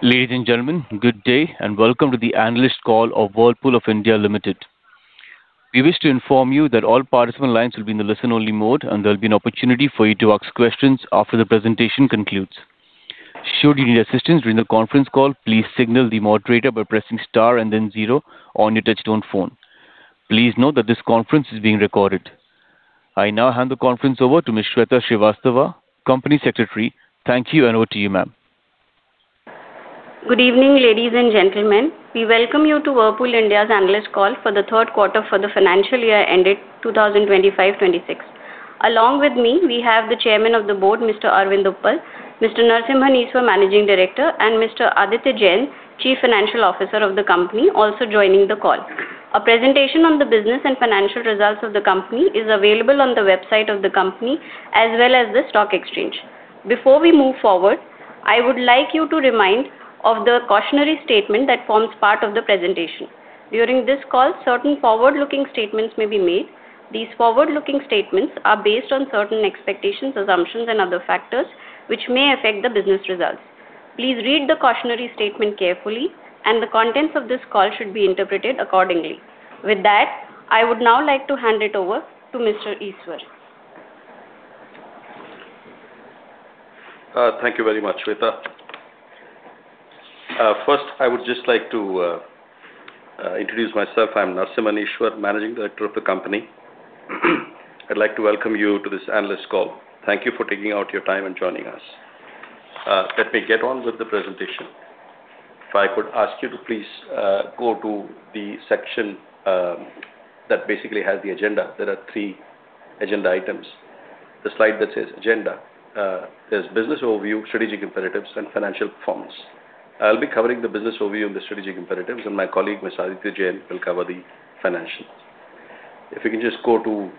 Ladies and gentlemen, good day, and welcome to the analyst call of Whirlpool of India Limited. We wish to inform you that all participant lines will be in the listen-only mode, and there'll be an opportunity for you to ask questions after the presentation concludes. Should you need assistance during the conference call, please signal the moderator by pressing star and then zero on your touch-tone phone. Please note that this conference is being recorded. I now hand the conference over to Ms. Sweta Srivastava, Company Secretary. Thank you, and over to you, ma'am. Good evening, ladies and gentlemen. We welcome you to Whirlpool India's analyst call for the third quarter for the financial year ended 2025-2026. Along with me, we have the Chairman of the Board, Mr. Arvind Uppal, Mr. Narasimhan Eswar, Managing Director, and Mr. Aditya Jain, Chief Financial Officer of the company, also joining the call. A presentation on the business and financial results of the company is available on the website of the company, as well as the stock exchange. Before we move forward, I would like you to remind of the cautionary statement that forms part of the presentation. During this call, certain forward-looking statements may be made. These forward-looking statements are based on certain expectations, assumptions, and other factors, which may affect the business results. Please read the cautionary statement carefully, and the contents of this call should be interpreted accordingly. With that, I would now like to hand it over to Mr. Eswar. Thank you very much, Sweta. First, I would just like to introduce myself. I'm Narasimhan Eswar, Managing Director of the company. I'd like to welcome you to this analyst call. Thank you for taking out your time and joining us. Let me get on with the presentation. If I could ask you to please go to the section that basically has the agenda. There are three agenda items. The slide that says Agenda, there's business overview, strategic imperatives, and financial performance. I'll be covering the business overview and the strategic imperatives, and my colleague, Mr. Aditya Jain, will cover the financials. If you can just go to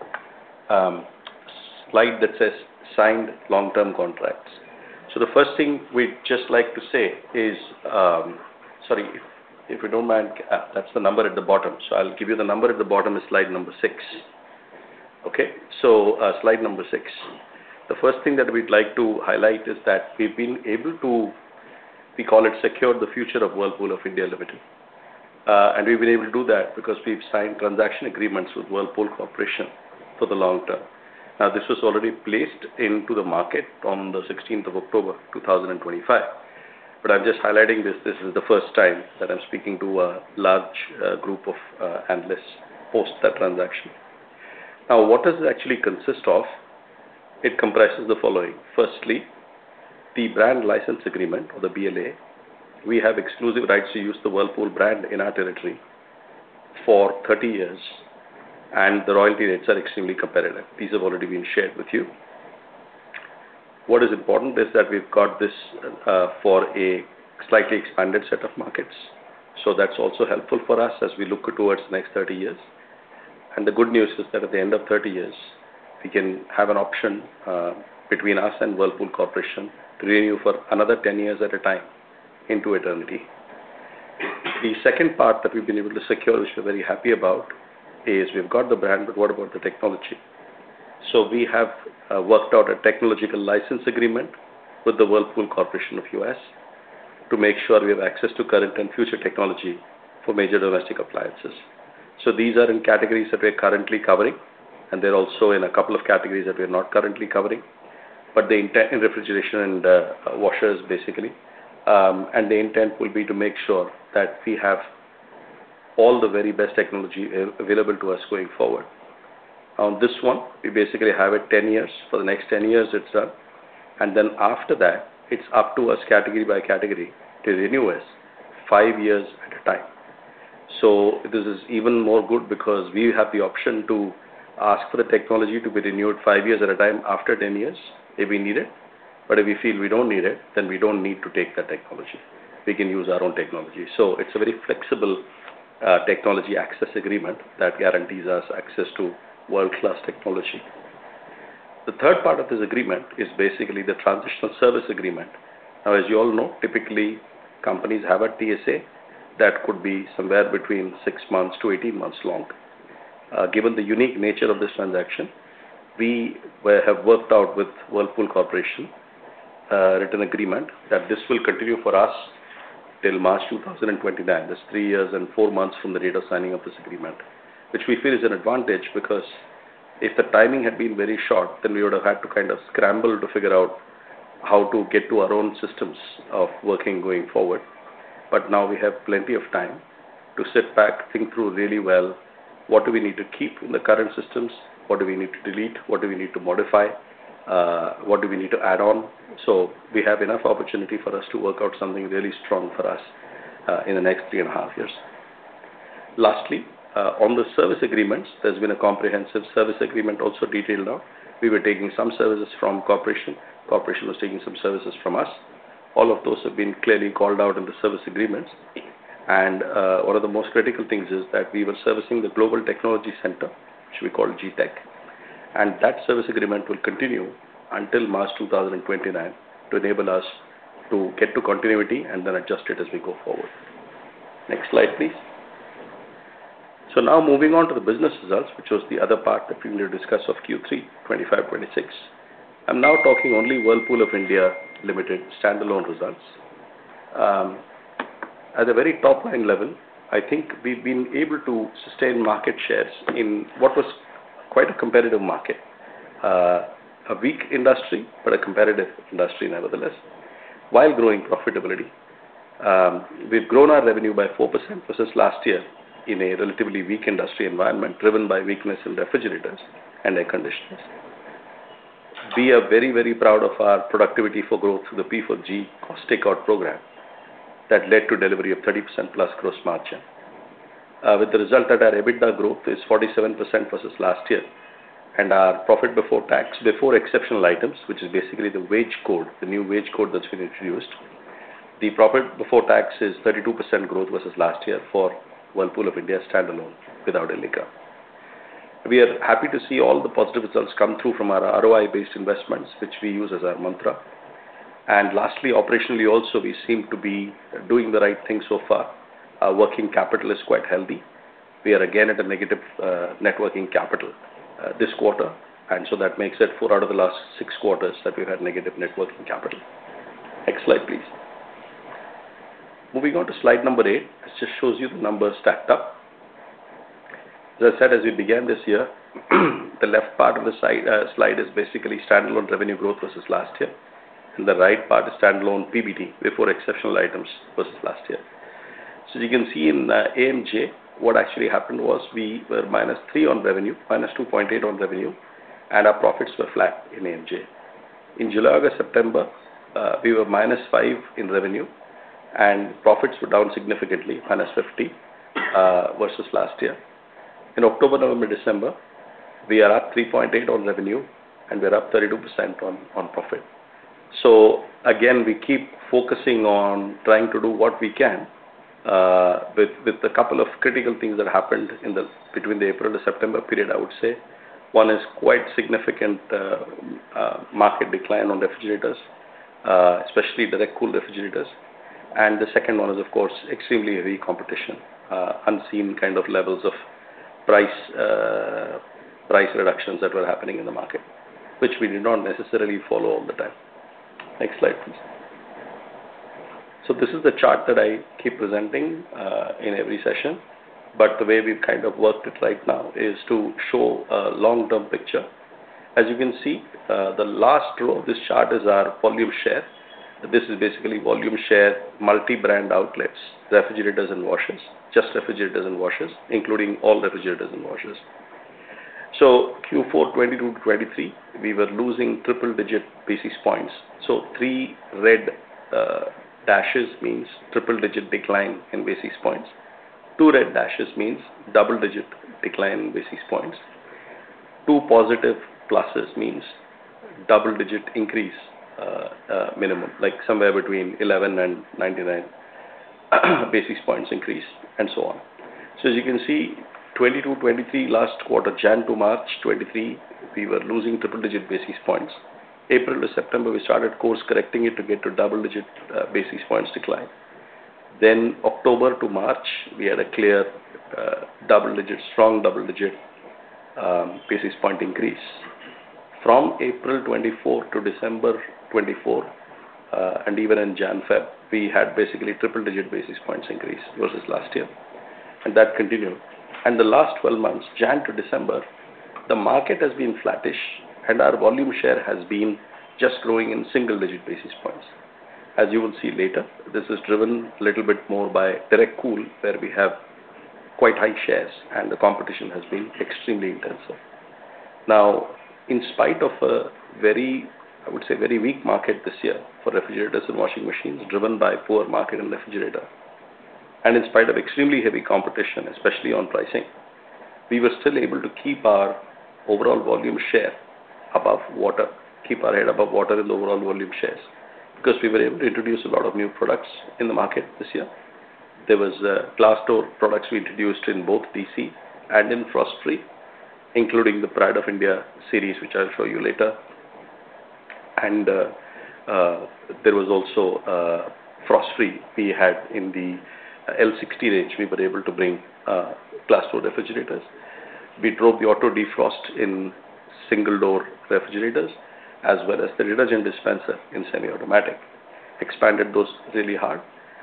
slide that says signed long-term contracts. So the first thing we'd just like to say is... Sorry, if you don't mind, that's the number at the bottom. So I'll give you the number at the bottom of slide number six. Okay? So, slide number six. The first thing that we'd like to highlight is that we've been able to, we call it, secure the future of Whirlpool of India Limited. And we've been able to do that because we've signed transaction agreements with Whirlpool Corporation for the long term. Now, this was already placed into the market on the 16th of October 2025, but I'm just highlighting this. This is the first time that I'm speaking to a large group of analysts post that transaction. Now, what does it actually consist of? It comprises the following: firstly, the Brand License Agreement or the BLA. We have exclusive rights to use the Whirlpool brand in our territory for 30 years, and the royalty rates are extremely competitive. These have already been shared with you. What is important is that we've got this, for a slightly expanded set of markets, so that's also helpful for us as we look towards the next 30 years. And the good news is that at the end of 30 years, we can have an option, between us and Whirlpool Corporation to renew for another 10 years at a time into eternity. The second part that we've been able to secure, which we're very happy about, is we've got the brand, but what about the technology? So we have, worked out a technological license agreement with the Whirlpool Corporation of U.S. to make sure we have access to current and future technology for major domestic appliances. So these are in categories that we're currently covering, and they're also in a couple of categories that we're not currently covering, but the intent in refrigeration and washers, basically. And the intent will be to make sure that we have all the very best technology available to us going forward. On this one, we basically have it 10 years. For the next 10 years, it's done. And then after that, it's up to us, category by category, to renew as five years at a time. So this is even more good because we have the option to ask for the technology to be renewed five years at a time, after 10 years, if we need it. But if we feel we don't need it, then we don't need to take the technology. We can use our own technology. So it's a very flexible, technology access agreement that guarantees us access to world-class technology. The third part of this agreement is basically the Transitional Service Agreement. Now, as you all know, typically, companies have a TSA that could be somewhere between 6-18 months long. Given the unique nature of this transaction, we have worked out with Whirlpool Corporation, written agreement that this will continue for us till March 2029. That's three years and four months from the date of signing of this agreement, which we feel is an advantage, because if the timing had been very short, then we would have had to kind of scramble to figure out how to get to our own systems of working going forward. But now we have plenty of time to sit back, think through really well, what do we need to keep in the current systems? What do we need to delete? What do we need to modify? What do we need to add on? So we have enough opportunity for us to work out something really strong for us, in the next three and a half years. Lastly, on the service agreements, there's been a comprehensive service agreement also detailed out. We were taking some services from corporation, corporation was taking some services from us. All of those have been clearly called out in the service agreements, and, one of the most critical things is that we were servicing the Global Technology Center, which we call GTEC, and that service agreement will continue until March 2029 to enable us to get to continuity and then adjust it as we go forward. Next slide, please. So now moving on to the business results, which was the other part that we need to discuss of Q3 2025, 2026. I'm now talking only Whirlpool of India Limited standalone results. At a very top-line level, I think we've been able to sustain market shares in what was quite a competitive market. A weak industry, but a competitive industry nevertheless, while growing profitability. We've grown our revenue by 4% versus last year in a relatively weak industry environment, driven by weakness in refrigerators and air conditioners. We are very, very proud of our productivity for growth through the P4G cost takeout program, that led to delivery of 30%+ gross margin. With the result that our EBITDA growth is 47% versus last year, and our profit before tax, before exceptional items, which is basically the Wage Code, the new Wage Code that's been introduced. The profit before tax is 32% growth versus last year for Whirlpool of India standalone, without Elica. We are happy to see all the positive results come through from our ROI-based investments, which we use as our mantra. Lastly, operationally also, we seem to be doing the right thing so far. Our working capital is quite healthy. We are again at a negative networking capital this quarter, and so that makes it four out of the last six quarters that we've had negative networking capital. Next slide, please. Moving on to slide number eight. This just shows you the numbers stacked up. As I said, as we began this year, the left part of the slide is basically standalone revenue growth versus last year, and the right part is standalone PBT before exceptional items versus last year. So you can see in AMJ, what actually happened was we were -3 on revenue, -2.8 on revenue, and our profits were flat in AMJ. In July, August, September, we were -5 on revenue, and profits were down significantly, -50, versus last year. In October, November, December, we are up 3.8 on revenue, and we're up 32% on profit. So again, we keep focusing on trying to do what we can with a couple of critical things that happened between the April to September period, I would say. One is quite significant market decline on refrigerators, especially direct cool refrigerators. And the second one is, of course, extremely heavy competition, unseen kind of levels of price reductions that were happening in the market, which we did not necessarily follow all the time. Next slide, please. So this is the chart that I keep presenting in every session, but the way we've kind of worked it right now is to show a long-term picture. As you can see, the last row of this chart is our volume share. This is basically volume share, multi-brand outlets, refrigerators and washers, just refrigerators and washers, including all refrigerators and washers. So Q4 2022-2023, we were losing triple digit basis points. So three red, dashes means triple digit decline in basis points. Two red dashes means double digit decline in basis points. Two positive pluses means double digit increase, minimum, like somewhere between 11 and 99, basis points increase, and so on. So as you can see, 2022-2023, last quarter, Jan to March 2023, we were losing triple digit basis points. April to September, we started course correcting it to get to double digit, basis points decline. Then October to March, we had a clear, double digit, strong double digit, basis point increase. From April 2024 to December 2024, and even in January, February, we had basically triple-digit basis points increase versus last year, and that continued. The last 12 months, January to December, the market has been flattish, and our volume share has been just growing in single-digit basis points. As you will see later, this is driven a little bit more by direct cool, where we have quite high shares, and the competition has been extremely intensive. Now, in spite of a very, I would say, very weak market this year for refrigerators and washing machines, driven by poor market and refrigerator, and in spite of extremely heavy competition, especially on pricing, we were still able to keep our overall volume share above water, keep our head above water in the overall volume shares, because we were able to introduce a lot of new products in the market this year. There was, glass door products we introduced in both DC and in Frost Free, including the Pride of India series, which I'll show you later. There was also a Frost Free we had in the L16 range. We were able to bring, glass door refrigerators. We drove the auto defrost in single door refrigerators, as well as the water dispenser in semi-automatic. Expanded those really hard,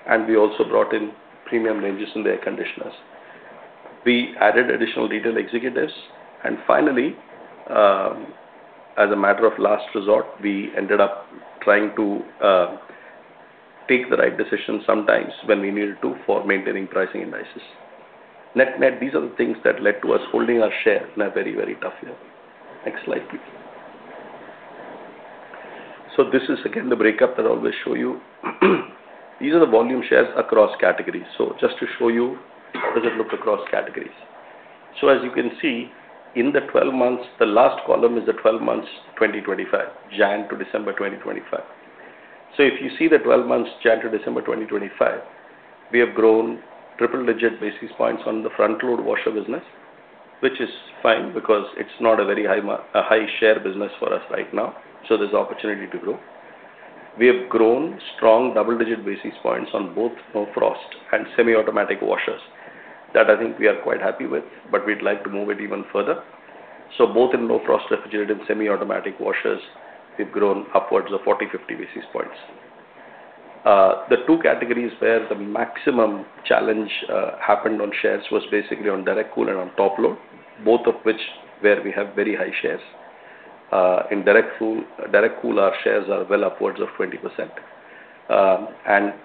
and we also brought in premium ranges in the air conditioners. We added additional detail executives, and finally, as a matter of last resort, we ended up trying to take the right decision sometimes when we needed to for maintaining pricing indices. Net, net, these are the things that led to us holding our share in a very, very tough year. Next slide, please. So this is again, the breakup that I always show you. These are the volume shares across categories. So just to show you, how does it look across categories? So as you can see, in the 12 months, the last column is the 12 months, 2025, January to December 2025. So if you see the 12 months, January to December 2025, we have grown triple-digit basis points on the front load washer business, which is fine because it's not a very high a high share business for us right now, so there's opportunity to grow. We have grown strong double-digit basis points on both no frost and semi-automatic washers. That I think we are quite happy with, but we'd like to move it even further. So both in no frost refrigerator and semi-automatic washers, we've grown upwards of 40, 50 basis points. The two categories where the maximum challenge happened on shares was basically on direct cool and on top load, both of which where we have very high shares. In direct cool, direct cool, our shares are well upwards of 20%.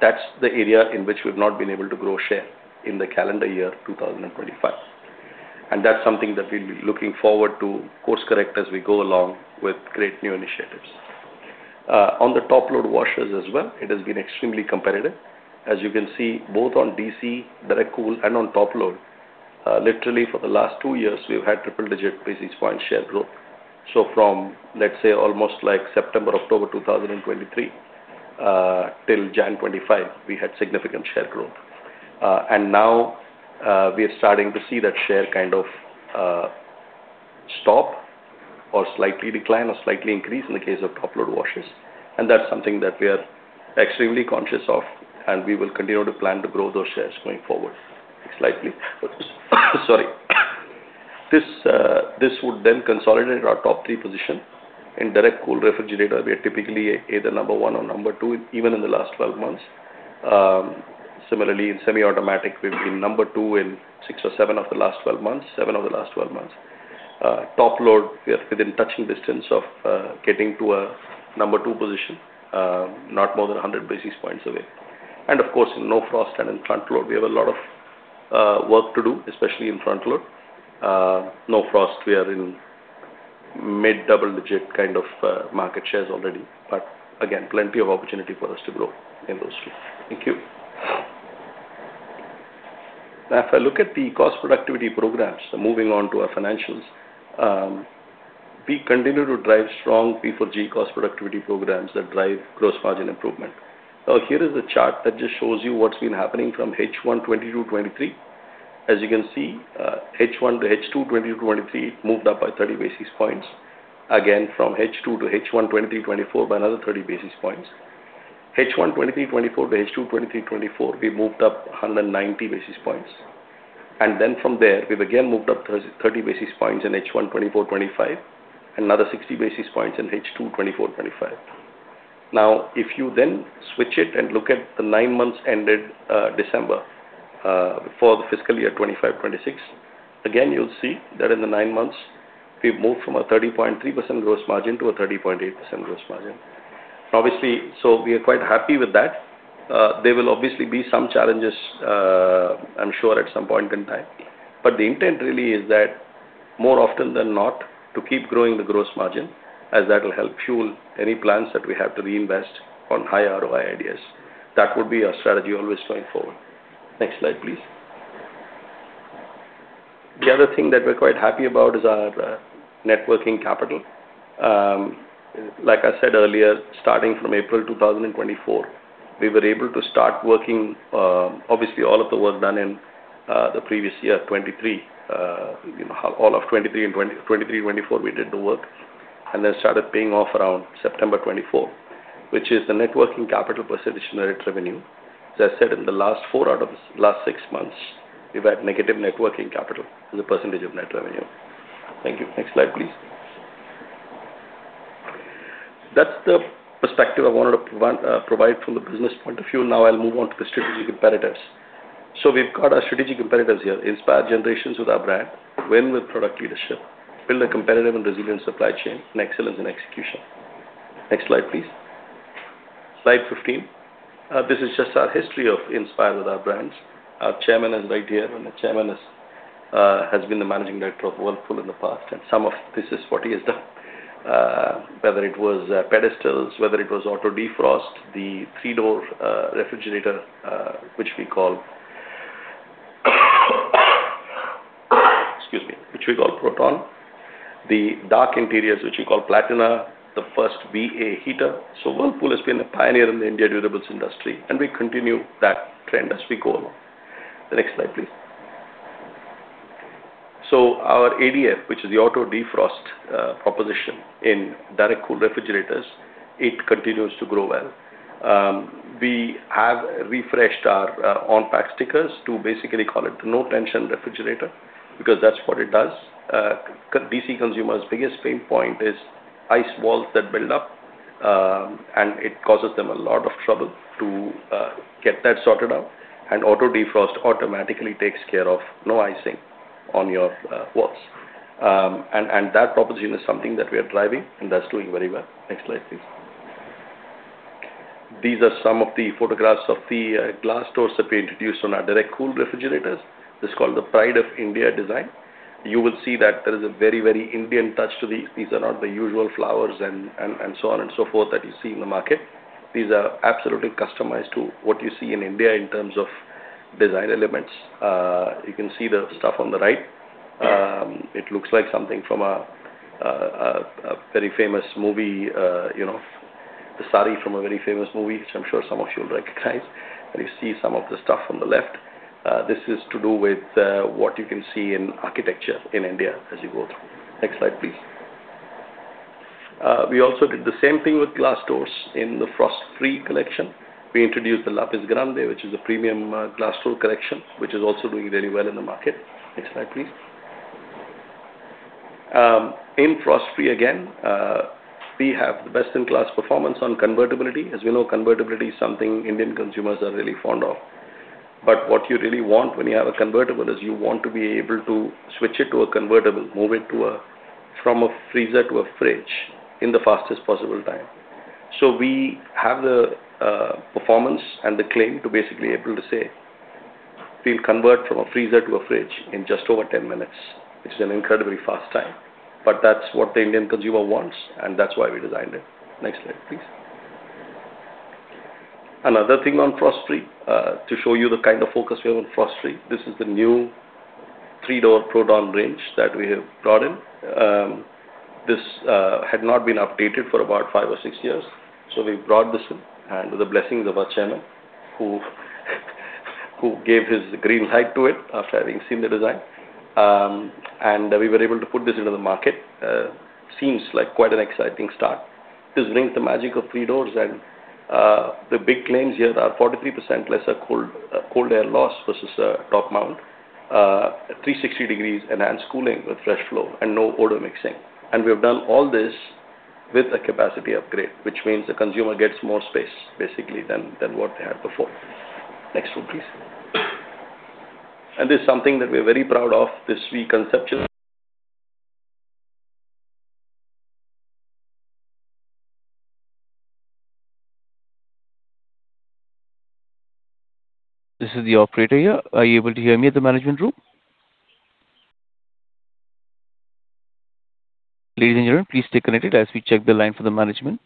That's the area in which we've not been able to grow share in the calendar year 2025. That's something that we'll be looking forward to course-correct as we go along with great new initiatives. On the top load washers as well, it has been extremely competitive. As you can see, both on DC, direct cool, and on top load, literally for the last two years, we've had triple-digit basis point share growth. So from, let's say, almost like September, October 2023, till January 2025, we had significant share growth. Now, we are starting to see that share kind of stop or slightly decline or slightly increase in the case of top load washes, and that's something that we are extremely conscious of, and we will continue to plan to grow those shares going forward slightly. Sorry. This would then consolidate our top three position. In direct cool refrigerator, we are typically either number one or number two, even in the last 12 months. Similarly, in semi-automatic, we've been number two in six or seven of the last 12 months, seven of the last 12 months. Top load, we are within touching distance of getting to a number two position, not more than 100 basis points away. Of course, in no frost and in front load, we have a lot of work to do, especially in front load. No frost, we are in mid-double-digit kind of market shares already, but again, plenty of opportunity for us to grow in those two. Thank you. Now, if I look at the cost productivity programs, moving on to our financials, we continue to drive strong P4G cost productivity programs that drive gross margin improvement. Now, here is a chart that just shows you what's been happening from H1 2022-2023. As you can see, H1 to H2 2022-2023 moved up by 30 basis points. Again, from H2 to H1 2023-2024 by another 30 basis points. H1 2023-2024 to H2 2023-2024, we moved up 190 basis points. Then from there, we've again moved up thirty basis points in H1 2024-2025, another sixty basis points in H2 2024-2025. Now, if you then switch it and look at the nine months ended December for the fiscal year 2025-2026, again, you'll see that in the nine months, we've moved from a 30.3% gross margin to a 30.8% gross margin. Obviously, so we are quite happy with that. There will obviously be some challenges, I'm sure, at some point in time. But the intent really is that more often than not, to keep growing the gross margin, as that will help fuel any plans that we have to reinvest on high ROI ideas. That would be our strategy always going forward. Next slide, please. The other thing that we're quite happy about is our net working capital. Like I said earlier, starting from April 2024, we were able to start working. Obviously, all of the work done in the previous year, 2023, you know, all of 2023 and 2024, we did the work, and then started paying off around September 2024, which is the working capital percentage net revenue. As I said, in the last four out of the last six months, we've had negative working capital as a percentage of net revenue. Thank you. Next slide, please. That's the perspective I wanted to provide from the business point of view. Now, I'll move on to the strategic imperatives. So we've got our strategic imperatives here: Inspire generations with our brand, win with product leadership, build a competitive and resilient supply chain, and excellence in execution. Next slide, please. Slide 15. This is just our history of Inspire with our brands. Our chairman is right here, and the chairman is, has been the managing director of Whirlpool in the past, and some of this is what he has done. Whether it was, pedestals, whether it was auto defrost, the Three Door Refrigerator, which we call, excuse me, which we call Protton, the dark interiors which we call Platina, the first VA heater. So Whirlpool has been a pioneer in the India durables industry, and we continue that trend as we go along. The next slide, please. So our ADF, which is the auto defrost, proposition in direct cool refrigerators, it continues to grow well. We have refreshed our, on-pack stickers to basically call it No Tension refrigerator, because that's what it does. Core DC consumers' biggest pain point is ice walls that build up, and it causes them a lot of trouble to get that sorted out, and auto defrost automatically takes care of no icing on your, walls. And that proposition is something that we are driving, and that's doing very well. Next slide, please. These are some of the photographs of the, glass doors that we introduced on our direct cool refrigerators. This is called the Pride of India design. You will see that there is a very, very Indian touch to these. These are not the usual flowers and so on and so forth that you see in the market. These are absolutely customized to what you see in India in terms of design elements. You can see the stuff on the right. It looks like something from a very famous movie, you know, the sari from a very famous movie, which I'm sure some of you will recognize. And you see some of the stuff on the left. This is to do with what you can see in architecture in India as you go through. Next slide, please. We also did the same thing with glass doors in the Frost Free collection. We introduced the Lapis Grandé, which is a premium glass door collection, which is also doing very well in the market. Next slide, please. In Frost Free, again, we have the best-in-class performance on convertibility. As we know, convertibility is something Indian consumers are really fond of. But what you really want when you have a convertible is you want to be able to switch it to a convertible, move it to a, from a freezer to a fridge in the fastest possible time. So we have the performance and the claim to basically able to say, we'll convert from a freezer to a fridge in just over 10 minutes, which is an incredibly fast time. But that's what the Indian consumer wants, and that's why we designed it. Next slide, please. Another thing on Frost Free, to show you the kind of focus we have on Frost Free, this is the new Three Door Protton range that we have brought in. This had not been updated for about five or six years, so we brought this in, and with the blessings of our chairman, who gave his green light to it after having seen the design. And we were able to put this into the market. Seems like quite an exciting start. This brings the magic of three doors, and the big claims here are 43% less cold air loss versus top mount, 360 degrees enhanced cooling with FreshFlow and no odor mixing. And we have done all this with a capacity upgrade, which means the consumer gets more space, basically, than what they had before. Next one, please. And this is something that we're very proud of, this re-conceptual- This is the operator here. Are you able to hear me at the management room? Ladies and gentlemen, please stay connected as we check the line for the management.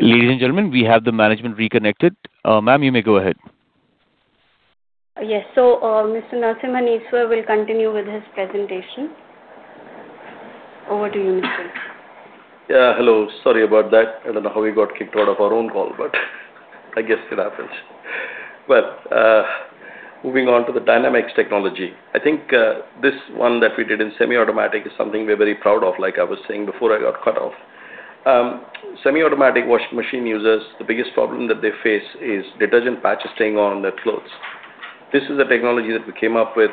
Ladies and gentlemen, we have the management reconnected. Ma'am, you may go ahead. Yes. So, Mr. Narasimhan Eswar will continue with his presentation.... Over to you, Mr. Yeah, hello. Sorry about that. I don't know how we got kicked out of our own call, but I guess it happens. Well, moving on to the Dynamix technology. I think, this one that we did in semi-automatic is something we're very proud of, like I was saying before I got cut off. Semi-automatic washing machine users, the biggest problem that they face is detergent patches staying on their clothes. This is a technology that we came up with,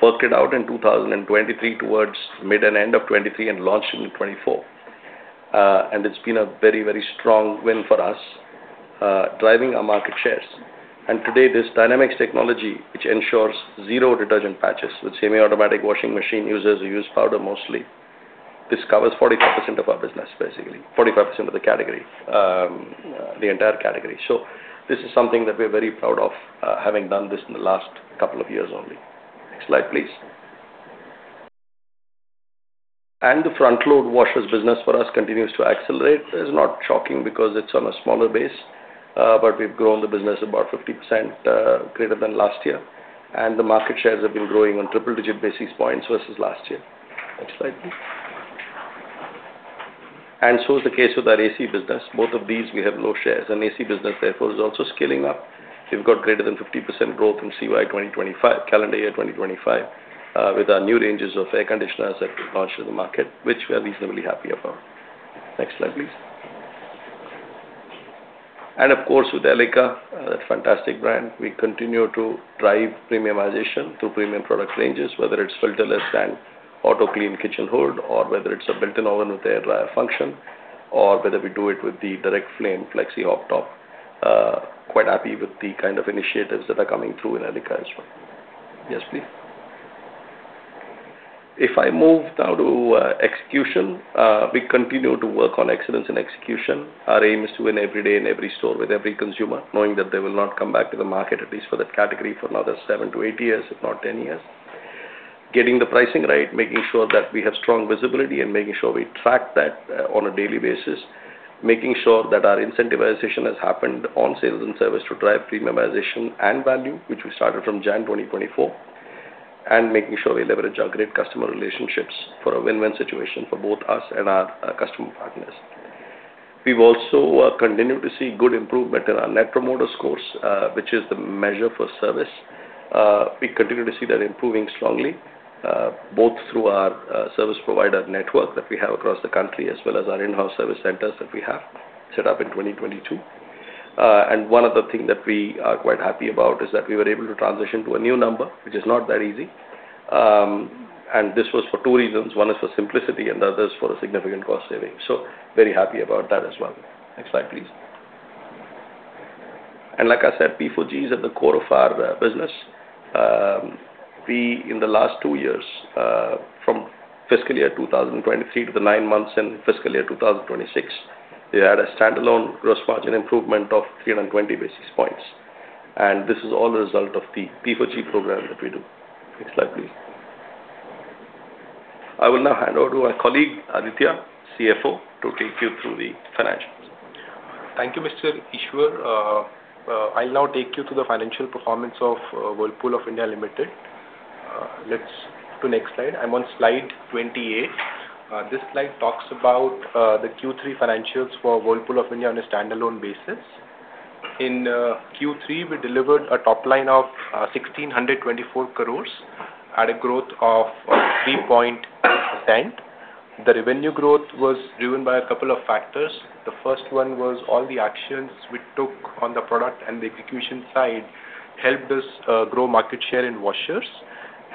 worked it out in 2023, towards mid and end of 2023, and launched in 2024. And it's been a very, very strong win for us, driving our market shares. Today, this Dynamix technology, which ensures zero detergent patches with semi-automatic washing machine users who use powder mostly, this covers 45% of our business, basically, 45% of the category, the entire category. So this is something that we're very proud of, having done this in the last couple of years only. Next slide, please. The front-load washers business for us continues to accelerate. It's not shocking because it's on a smaller base, but we've grown the business about 50%, greater than last year, and the market shares have been growing on triple digit basis points versus last year. Next slide, please. So is the case with our AC business. Both of these we have low shares, and AC business, therefore, is also scaling up. We've got greater than 50% growth in CY 2025, calendar year 2025, with our new ranges of air conditioners that we launched in the market, which we are reasonably happy about. Next slide, please. And of course, with Elica, a fantastic brand, we continue to drive premiumization to premium product ranges, whether it's filterless and auto clean kitchen hood, or whether it's a built-in oven with air fryer function, or whether we do it with the direct flame Flexi Hobtop. Quite happy with the kind of initiatives that are coming through in Elica as well. Yes, please. If I move now to execution, we continue to work on excellence and execution. Our aim is to win every day in every store with every consumer, knowing that they will not come back to the market, at least for that category, for another 7-8 years, if not 10 years. Getting the pricing right, making sure that we have strong visibility, and making sure we track that on a daily basis. Making sure that our incentivization has happened on sales and service to drive premiumization and value, which we started from January 2024, and making sure we leverage our great customer relationships for a win-win situation for both us and our customer partners. We've also continued to see good improvement in our Net Promoter Scores, which is the measure for service. We continue to see that improving strongly, both through our service provider network that we have across the country, as well as our in-house service centers that we have set up in 2022. One other thing that we are quite happy about is that we were able to transition to a new number, which is not that easy. This was for two reasons: one is for simplicity and the other is for a significant cost saving. Very happy about that as well. Next slide, please. Like I said, P4G is at the core of our business. We in the last two years, from fiscal year 2023 to the nine months in fiscal year 2026, we had a standalone gross margin improvement of 320 basis points, and this is all a result of the P4G program that we do. Next slide, please. I will now hand over to my colleague, Aditya, CFO, to take you through the financials. Thank you, Mr. Eswar. I'll now take you through the financial performance of Whirlpool of India Limited. Let's to next slide. I'm on slide 28. This slide talks about the Q3 financials for Whirlpool of India on a standalone basis. In Q3, we delivered a top line of 1,624 crore at a growth of 3%. The revenue growth was driven by a couple of factors. The first one was all the actions we took on the product, and the execution side helped us grow market share in washers.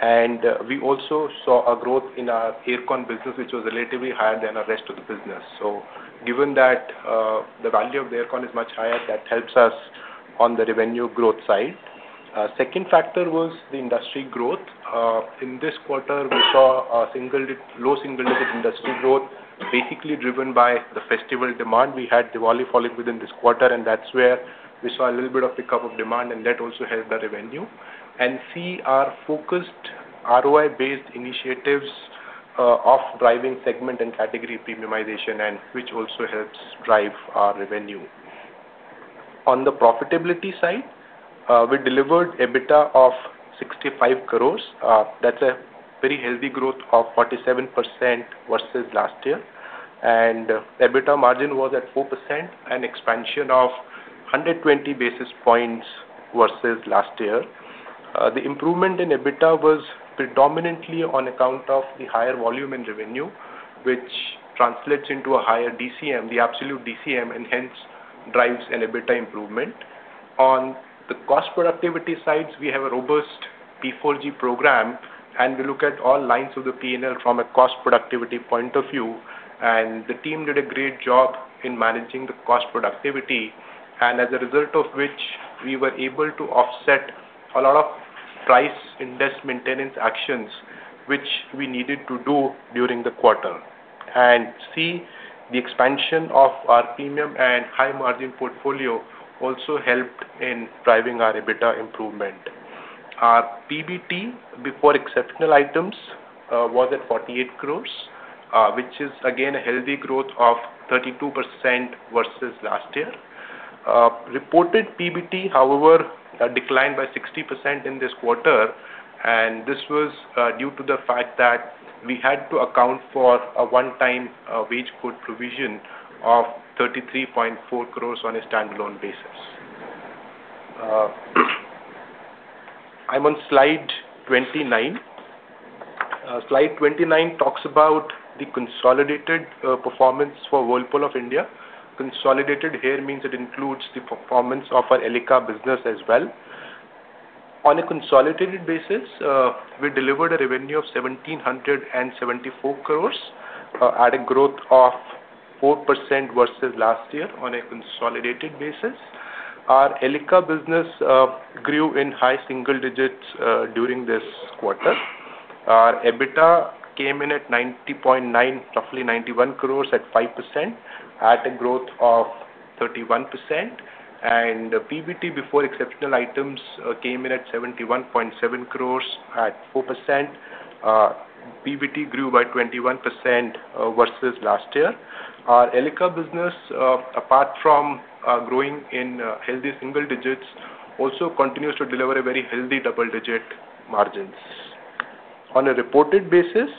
And we also saw a growth in our air con business, which was relatively higher than the rest of the business. So given that, the value of the air con is much higher, that helps us on the revenue growth side. Second factor was the industry growth. In this quarter, we saw a low single-digit industry growth, basically driven by the festival demand. We had Diwali falling within this quarter, and that's where we saw a little bit of pickup of demand, and that also helped the revenue. And C, our focused ROI-based initiatives of driving segment and category premiumization, and which also helps drive our revenue. On the profitability side, we delivered EBITDA of 65 crore. That's a very healthy growth of 47% versus last year. And EBITDA margin was at 4%, an expansion of 120 basis points versus last year. The improvement in EBITDA was predominantly on account of the higher volume in revenue, which translates into a higher DCM, the absolute DCM, and hence drives an EBITDA improvement. On the cost productivity sides, we have a robust P4G program, and we look at all lines of the P&L from a cost productivity point of view, and the team did a great job in managing the cost productivity, and as a result of which, we were able to offset a lot of price index maintenance actions, which we needed to do during the quarter. C, the expansion of our premium and high-margin portfolio also helped in driving our EBITDA improvement. Our PBT, before exceptional items, was at 48 crore, which is again a healthy growth of 32% versus last year. Reported PBT, however, declined by 60% in this quarter, and this was due to the fact that we had to account for a one-time wage code provision of 33.4 crore on a standalone basis. I'm on slide 29. Slide 29 talks about the consolidated performance for Whirlpool of India. Consolidated here means it includes the performance of our Elica business as well. On a consolidated basis, we delivered a revenue of 1,774 crore, at a growth of 4% versus last year on a consolidated basis. Our Elica business grew in high single digits during this quarter. Our EBITDA came in at 90.9, roughly 91 crore at 5%, at a growth of 31%. And PBT, before exceptional items, came in at 71.7 crore at 4%. PBT grew by 21% versus last year. Our Elica business, apart from growing in healthy single digits, also continues to deliver a very healthy double-digit margins. On a reported basis,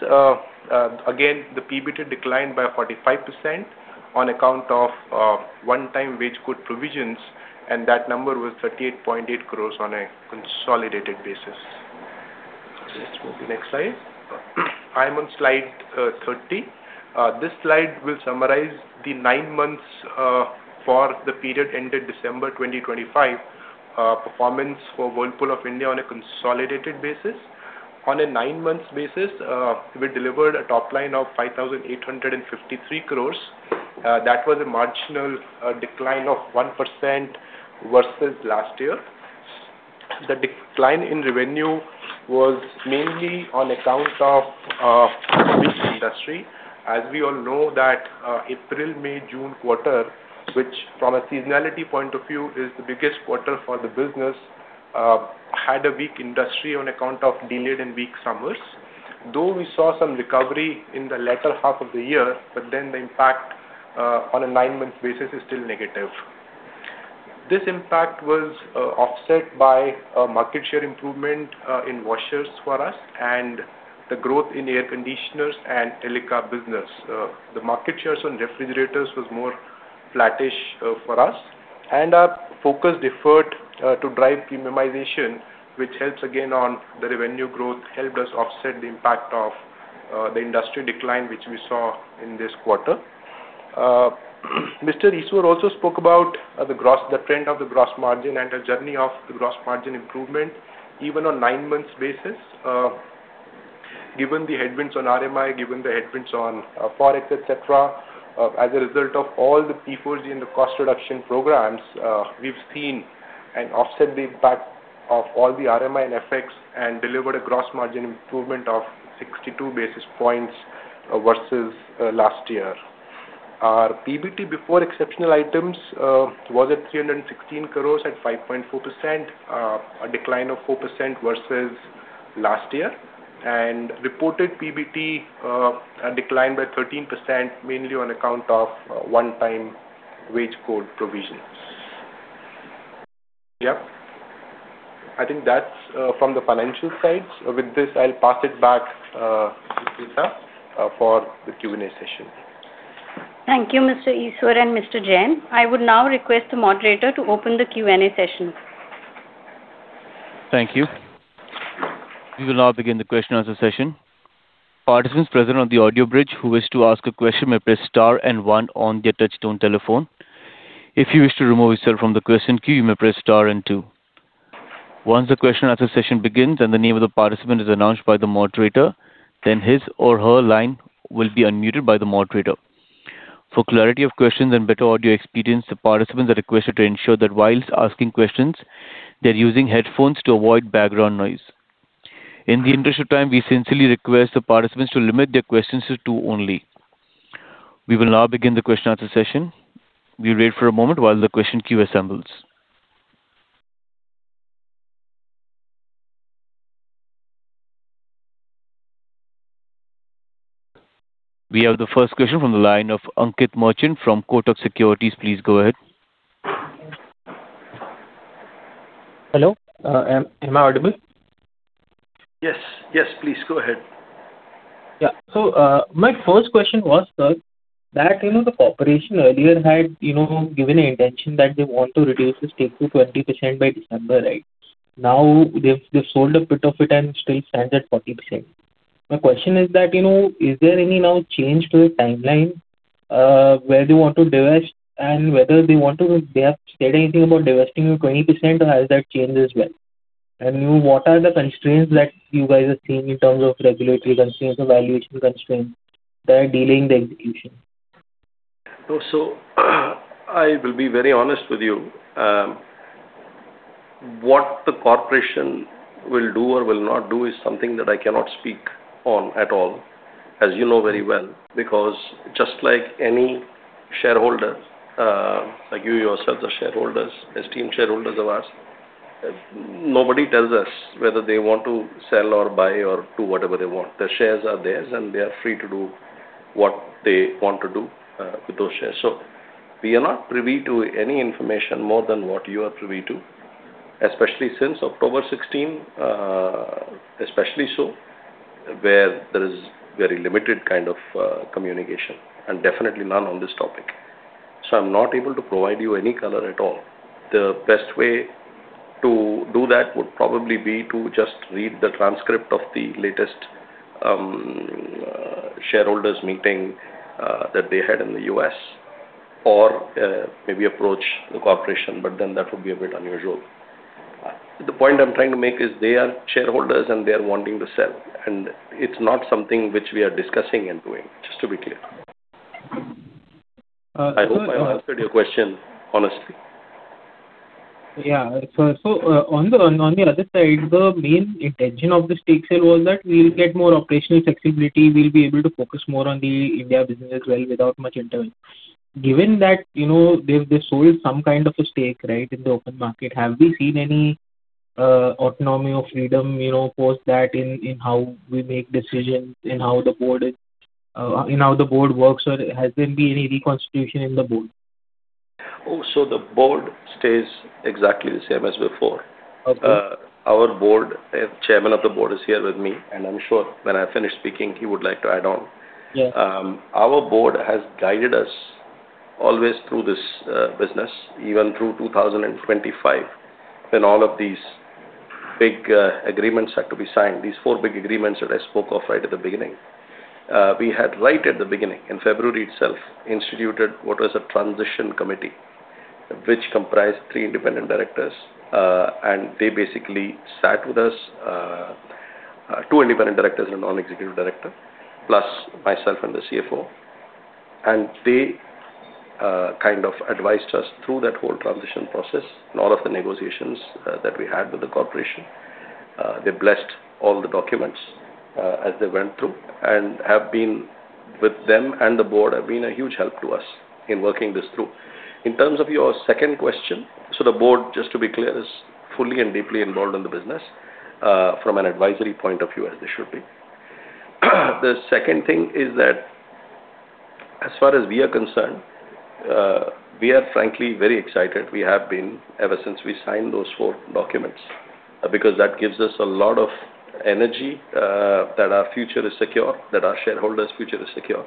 again, the PBT declined by 45% on account of one-time wage code provisions, and that number was 38.8 crores on a consolidated basis. Let's move to the next slide. I'm on slide 30. This slide will summarize the nine months for the period ended December 2025 performance for Whirlpool of India on a consolidated basis. On a nine-months basis, we delivered a top line of 5,853 crores. That was a marginal decline of 1% versus last year. The decline in revenue was mainly on account of industry. As we all know that, April, May, June quarter, which from a seasonality point of view, is the biggest quarter for the business, had a weak industry on account of delayed and weak summers. Though we saw some recovery in the latter half of the year, but then the impact on a nine-month basis is still negative. This impact was offset by a market share improvement in washers for us and the growth in air conditioners and Elica business. The market shares on refrigerators was more flattish for us, and our focus deferred to drive premiumization, which helps again on the revenue growth, helped us offset the impact of the industry decline, which we saw in this quarter. Mr. Eswar also spoke about the trend of the gross margin and the journey of the gross margin improvement, even on nine months basis. Given the headwinds on RMI, given the headwinds on Forex, et cetera, as a result of all the P4G and the cost reduction programs, we've seen and offset the impact of all the RMI and FX and delivered a gross margin improvement of 62 basis points versus last year. Our PBT, before exceptional items, was at 316 crore at 5.4%, a decline of 4% versus last year. And reported PBT declined by 13%, mainly on account of one-time wage code provisions. Yep. I think that's from the financial side. With this, I'll pass it back to Sweta for the Q&A session. Thank you, Mr. Eswar and Mr. Jain. I would now request the moderator to open the Q&A session. Thank you. We will now begin the question answer session. Participants present on the audio bridge, who wish to ask a question, may press star and one on their touchtone telephone. If you wish to remove yourself from the question queue, you may press star and two. Once the question answer session begins and the name of the participant is announced by the moderator, then his or her line will be unmuted by the moderator. For clarity of questions and better audio experience, the participants are requested to ensure that while asking questions, they're using headphones to avoid background noise. In the interest of time, we sincerely request the participants to limit their questions to two only. We will now begin the question answer session. We wait for a moment while the question queue assembles. We have the first question from the line of Ankit Merchant from Kotak Securities. Please go ahead. Hello, am I audible? Yes, yes, please go ahead. Yeah. So, my first question was, sir, that, you know, the corporation earlier had, you know, given an intention that they want to reduce the stake to 20% by December, right? Now, they've, they've sold a bit of it and still stands at 40%. My question is that, you know, is there any now change to the timeline, where they want to divest and whether they want to... They have said anything about divesting 20%, or has that changed as well? And, you know, what are the constraints that you guys are seeing in terms of regulatory constraints or valuation constraints that are delaying the execution? So, I will be very honest with you, what the corporation will do or will not do is something that I cannot speak on at all, as you know very well, because just like any shareholder, like you yourself, the shareholders, esteemed shareholders of ours-... nobody tells us whether they want to sell or buy or do whatever they want. Their shares are theirs, and they are free to do what they want to do with those shares. So we are not privy to any information more than what you are privy to, especially since October 16, especially so where there is very limited kind of communication and definitely none on this topic. So I'm not able to provide you any color at all. The best way to do that would probably be to just read the transcript of the latest shareholders meeting that they had in the U.S., or maybe approach the corporation, but then that would be a bit unusual. The point I'm trying to make is they are shareholders, and they are wanting to sell, and it's not something which we are discussing and doing, just to be clear. I hope I answered your question honestly. Yeah. So, on the other side, the main intention of the stake sale was that we will get more operational flexibility. We'll be able to focus more on the India business as well, without much interference. Given that, you know, they've sold some kind of a stake, right, in the open market, have we seen any autonomy or freedom, you know, post that in how we make decisions, in how the board is, in how the board works, or has there been any reconstitution in the board? Oh, so the board stays exactly the same as before. Okay. Our board chairman of the board is here with me, and I'm sure when I finish speaking, he would like to add on. Yeah. Our board has guided us always through this business, even through 2025, when all of these big agreements had to be signed, these four big agreements that I spoke of right at the beginning. We had right at the beginning, in February itself, instituted what was a transition committee, which comprised three independent directors, and they basically sat with us, two independent directors and a non-executive director, plus myself and the CFO. They kind of advised us through that whole transition process and all of the negotiations that we had with the corporation. They blessed all the documents as they went through, and have been with them, and the board have been a huge help to us in working this through. In terms of your second question, so the board, just to be clear, is fully and deeply involved in the business, from an advisory point of view, as they should be. The second thing is that as far as we are concerned, we are frankly very excited. We have been ever since we signed those four documents, because that gives us a lot of energy, that our future is secure, that our shareholders' future is secure.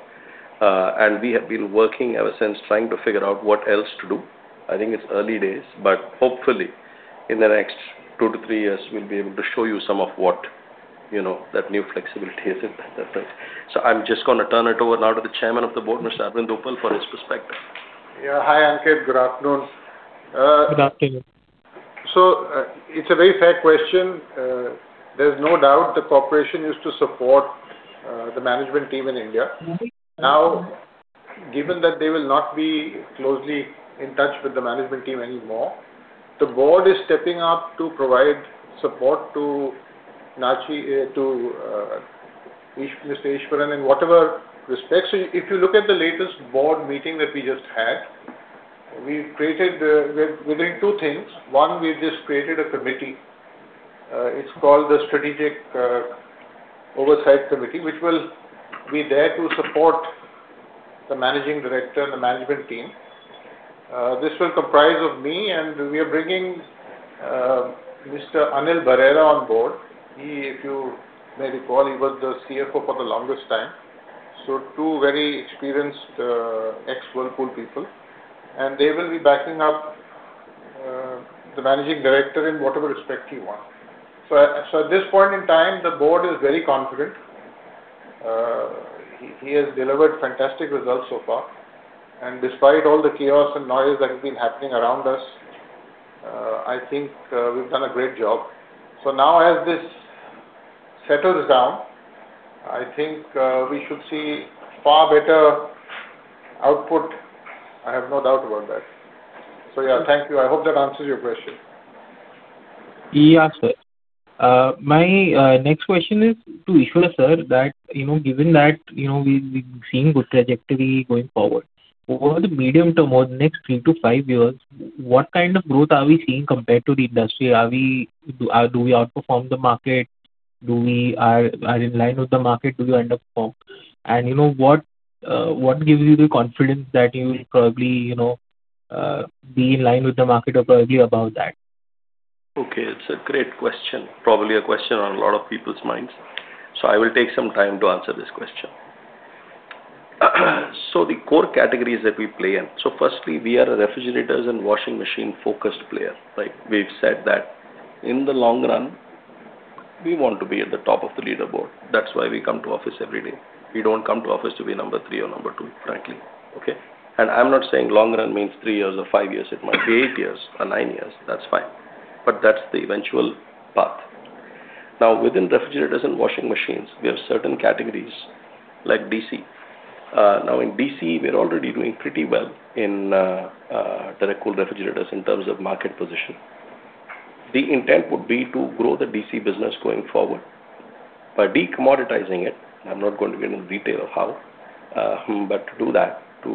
And we have been working ever since, trying to figure out what else to do. I think it's early days, but hopefully, in the next two to three years, we'll be able to show you some of what, you know, that new flexibility is in that sense. So I'm just going to turn it over now to the Chairman of the Board, Mr. Arvind Uppal, for his perspective. Yeah. Hi, Ankit. Good afternoon. Good afternoon. It's a very fair question. There's no doubt the corporation used to support the management team in India. Mm-hmm. Now, given that they will not be closely in touch with the management team anymore, the board is stepping up to provide support to Nachi, to, to, Ish-- Mr. Eswar, in whatever respects. If you look at the latest board meeting that we just had, we've created, we're doing two things. One, we've just created a committee. It's called the Strategic Oversight Committee, which will be there to support the managing director and the management team. This will comprise of me, and we are bringing, Mr. Anil Berera on board. He, if you may recall, he was the CFO for the longest time. So two very experienced, ex-Whirlpool people, and they will be backing up, the managing director in whatever respect he wants. So at, so at this point in time, the board is very confident. He has delivered fantastic results so far, and despite all the chaos and noise that has been happening around us, I think we've done a great job. So now as this settles down, I think we should see far better output. I have no doubt about that. So yeah, thank you. I hope that answers your question. Yeah, sir. My next question is to Eswar, sir, that, you know, given that, you know, we've seen good trajectory going forward. Over the medium term, over the next three to five years, what kind of growth are we seeing compared to the industry? Do we outperform the market? Are we in line with the market? Do we underperform? And you know, what gives you the confidence that you will probably, you know, be in line with the market or probably above that? Okay, it's a great question. Probably a question on a lot of people's minds, so I will take some time to answer this question. So the core categories that we play in. So firstly, we are a refrigerators and washing machine-focused player. Like, we've said that in the long run, we want to be at the top of the leaderboard. That's why we come to office every day. We don't come to office to be number three or number two, frankly, okay? And I'm not saying long run means three years or five years. It might be eight years or nine years, that's fine, but that's the eventual path. Now, within refrigerators and washing machines, we have certain categories like DC. Now, in DC, we're already doing pretty well in direct cool refrigerators in terms of market position. The intent would be to grow the DC business going forward by de-commoditizing it. I'm not going to get into detail of how, but to do that, to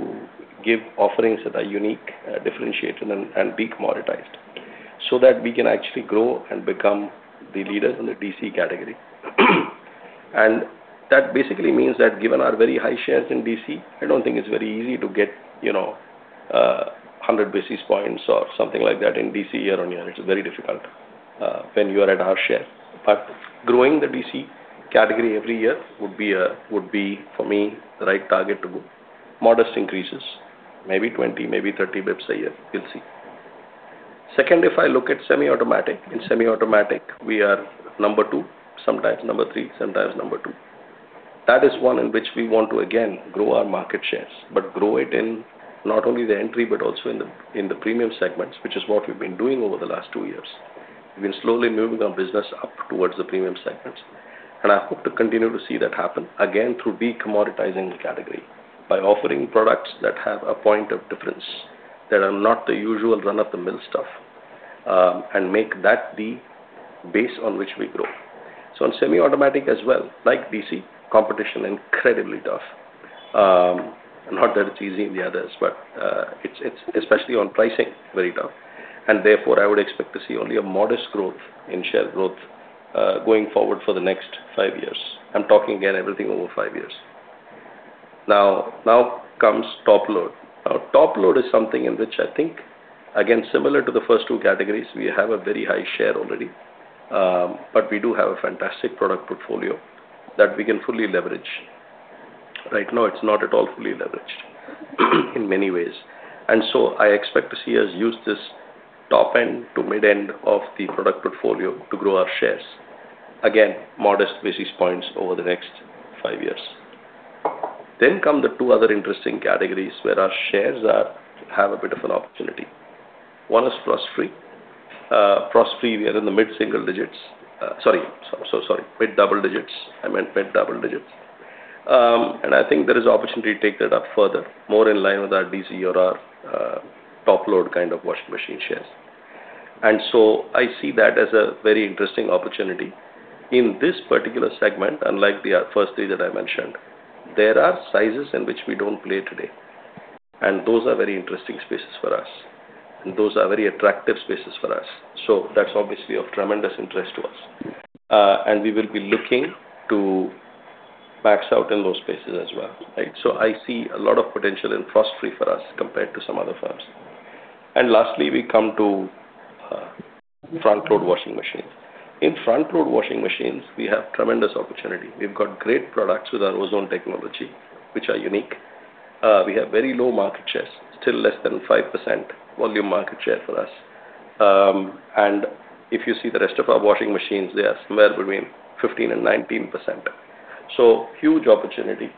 give offerings that are unique, differentiated, and de-commoditized, so that we can actually grow and become the leaders in the DC category. And that basically means that given our very high shares in DC, I don't think it's very easy to get, you know, 100 basis points or something like that in DC year-on-year. It's very difficult when you are at our share. But growing the DC category every year would be, for me, the right target to go. Modest increases, maybe 20, maybe 30 basis points a year, we'll see. Second, if I look at semi-automatic. In semi-automatic, we are number two, sometimes number three, sometimes number two. That is one in which we want to, again, grow our market shares, but grow it in not only the entry, but also in the, in the premium segments, which is what we've been doing over the last two years. We've been slowly moving our business up towards the premium segments, and I hope to continue to see that happen, again, through de-commoditizing the category by offering products that have a point of difference, that are not the usual run-of-the-mill stuff, and make that the base on which we grow. So in semi-automatic as well, like DC, competition incredibly tough. Not that it's easy in the others, but it's especially on pricing, very tough. And therefore, I would expect to see only a modest growth in share growth, going forward for the next five years. I'm talking again, everything over five years. Now, now comes top load. Now, top load is something in which I think, again, similar to the first two categories, we have a very high share already, but we do have a fantastic product portfolio that we can fully leverage. Right now, it's not at all fully leveraged, in many ways. And so I expect to see us use this top end to mid-end of the product portfolio to grow our shares. Again, modest basis points over the next five years. Then come the two other interesting categories, where our shares are, have a bit of an opportunity. One is Frost Free. Frost Free, we are in the mid-single digits. Sorry, so, so sorry, mid-double digits. I meant mid-double digits. And I think there is opportunity to take that up further, more in line with our DC or our, top load kind of washing machine shares. And so I see that as a very interesting opportunity. In this particular segment, unlike the first three that I mentioned, there are sizes in which we don't play today, and those are very interesting spaces for us, and those are very attractive spaces for us. So that's obviously of tremendous interest to us. And we will be looking to max out in those spaces as well, right? So I see a lot of potential in frost-free for us, compared to some other firms. And lastly, we come to front-load washing machines. In front-load washing machines, we have tremendous opportunity. We've got great products with our ozone technology, which are unique. We have very low market shares, still less than 5% volume market share for us. And if you see the rest of our washing machines, they are somewhere between 15%-19%. So huge opportunity.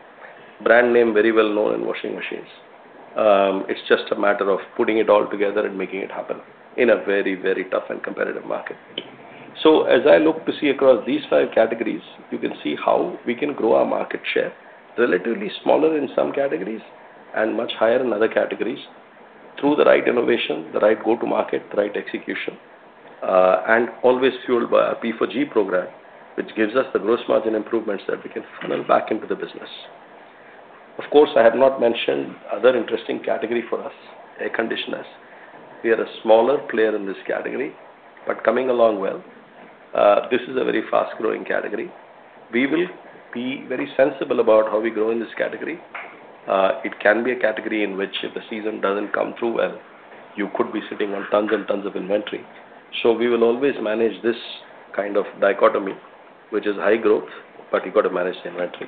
Brand name, very well known in washing machines. It's just a matter of putting it all together and making it happen in a very, very tough and competitive market. So as I look to see across these five categories, you can see how we can grow our market share, relatively smaller in some categories and much higher in other categories, through the right innovation, the right go-to-market, the right execution, and always fueled by our P4G program, which gives us the gross margin improvements that we can funnel back into the business. Of course, I have not mentioned other interesting category for us, air conditioners. We are a smaller player in this category, but coming along well. This is a very fast-growing category. We will be very sensible about how we grow in this category. It can be a category in which if the season doesn't come through well, you could be sitting on tons and tons of inventory. So we will always manage this kind of dichotomy, which is high growth, but you've got to manage the inventory.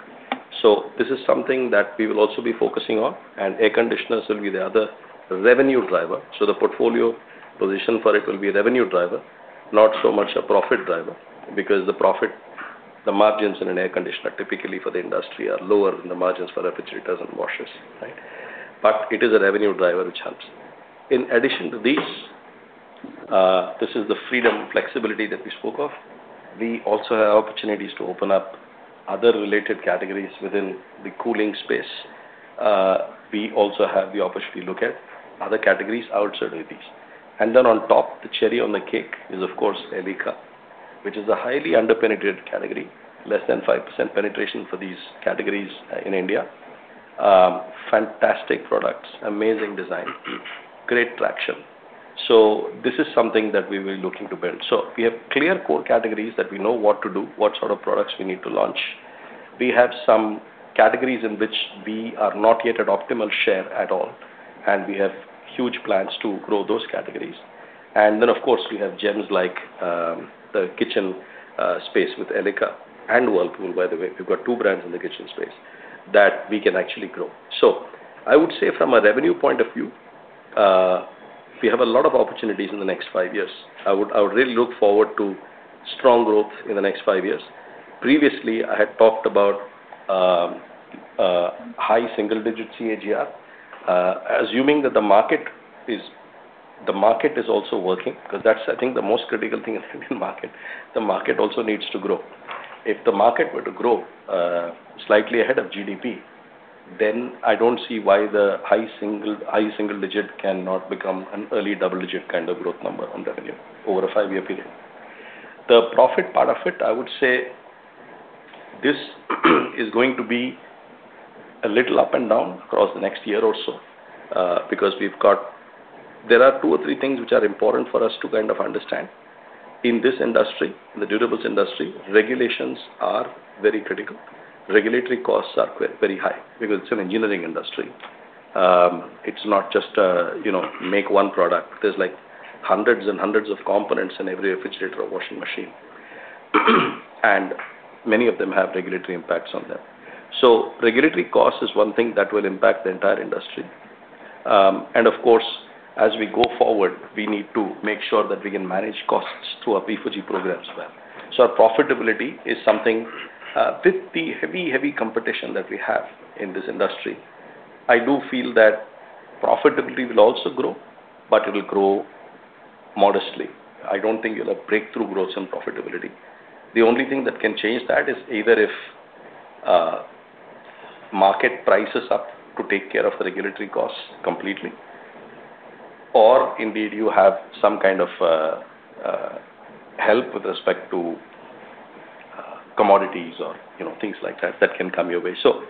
So this is something that we will also be focusing on, and air conditioners will be the other revenue driver. So the portfolio position for it will be a revenue driver, not so much a profit driver, because the profit, the margins in an air conditioner, typically for the industry, are lower than the margins for refrigerators and washers, right? But it is a revenue driver, which helps. In addition to these, this is the freedom and flexibility that we spoke of, we also have opportunities to open up other related categories within the cooling space. We also have the opportunity to look at other categories outside of these. And then on top, the cherry on the cake is, of course, Elica, which is a highly underpenetrated category, less than 5% penetration for these categories, in India. Fantastic products, amazing design, great traction. So this is something that we will be looking to build. So we have clear core categories that we know what to do, what sort of products we need to launch. We have some categories in which we are not yet at optimal share at all, and we have huge plans to grow those categories. And then, of course, we have gems like, the kitchen, space with Elica and Whirlpool, by the way. We've got two brands in the kitchen space that we can actually grow. So I would say from a revenue point of view, we have a lot of opportunities in the next five years. I would really look forward to strong growth in the next five years. Previously, I had talked about high single-digit CAGR. Assuming that the market is also working, 'cause that's, I think, the most critical thing in the Indian market, the market also needs to grow. If the market were to grow slightly ahead of GDP... Then I don't see why the high single digit cannot become an early double digit kind of growth number on revenue over a five-year period. The profit part of it, I would say, this is going to be a little up and down across the next year or so, because we've got two or three things which are important for us to kind of understand. In this industry, the durables industry, regulations are very critical. Regulatory costs are very high because it's an engineering industry. It's not just, you know, make one product. There's, like, hundreds and hundreds of components in every refrigerator or washing machine. And many of them have regulatory impacts on them. So regulatory cost is one thing that will impact the entire industry. And of course, as we go forward, we need to make sure that we can manage costs through our P4G programs well. So our profitability is something, with the heavy, heavy competition that we have in this industry, I do feel that profitability will also grow, but it will grow modestly. I don't think it'll have breakthrough growth and profitability. The only thing that can change that is either if, market prices are up to take care of the regulatory costs completely, or indeed, you have some kind of, help with respect to, commodities or, you know, things like that, that can come your way. So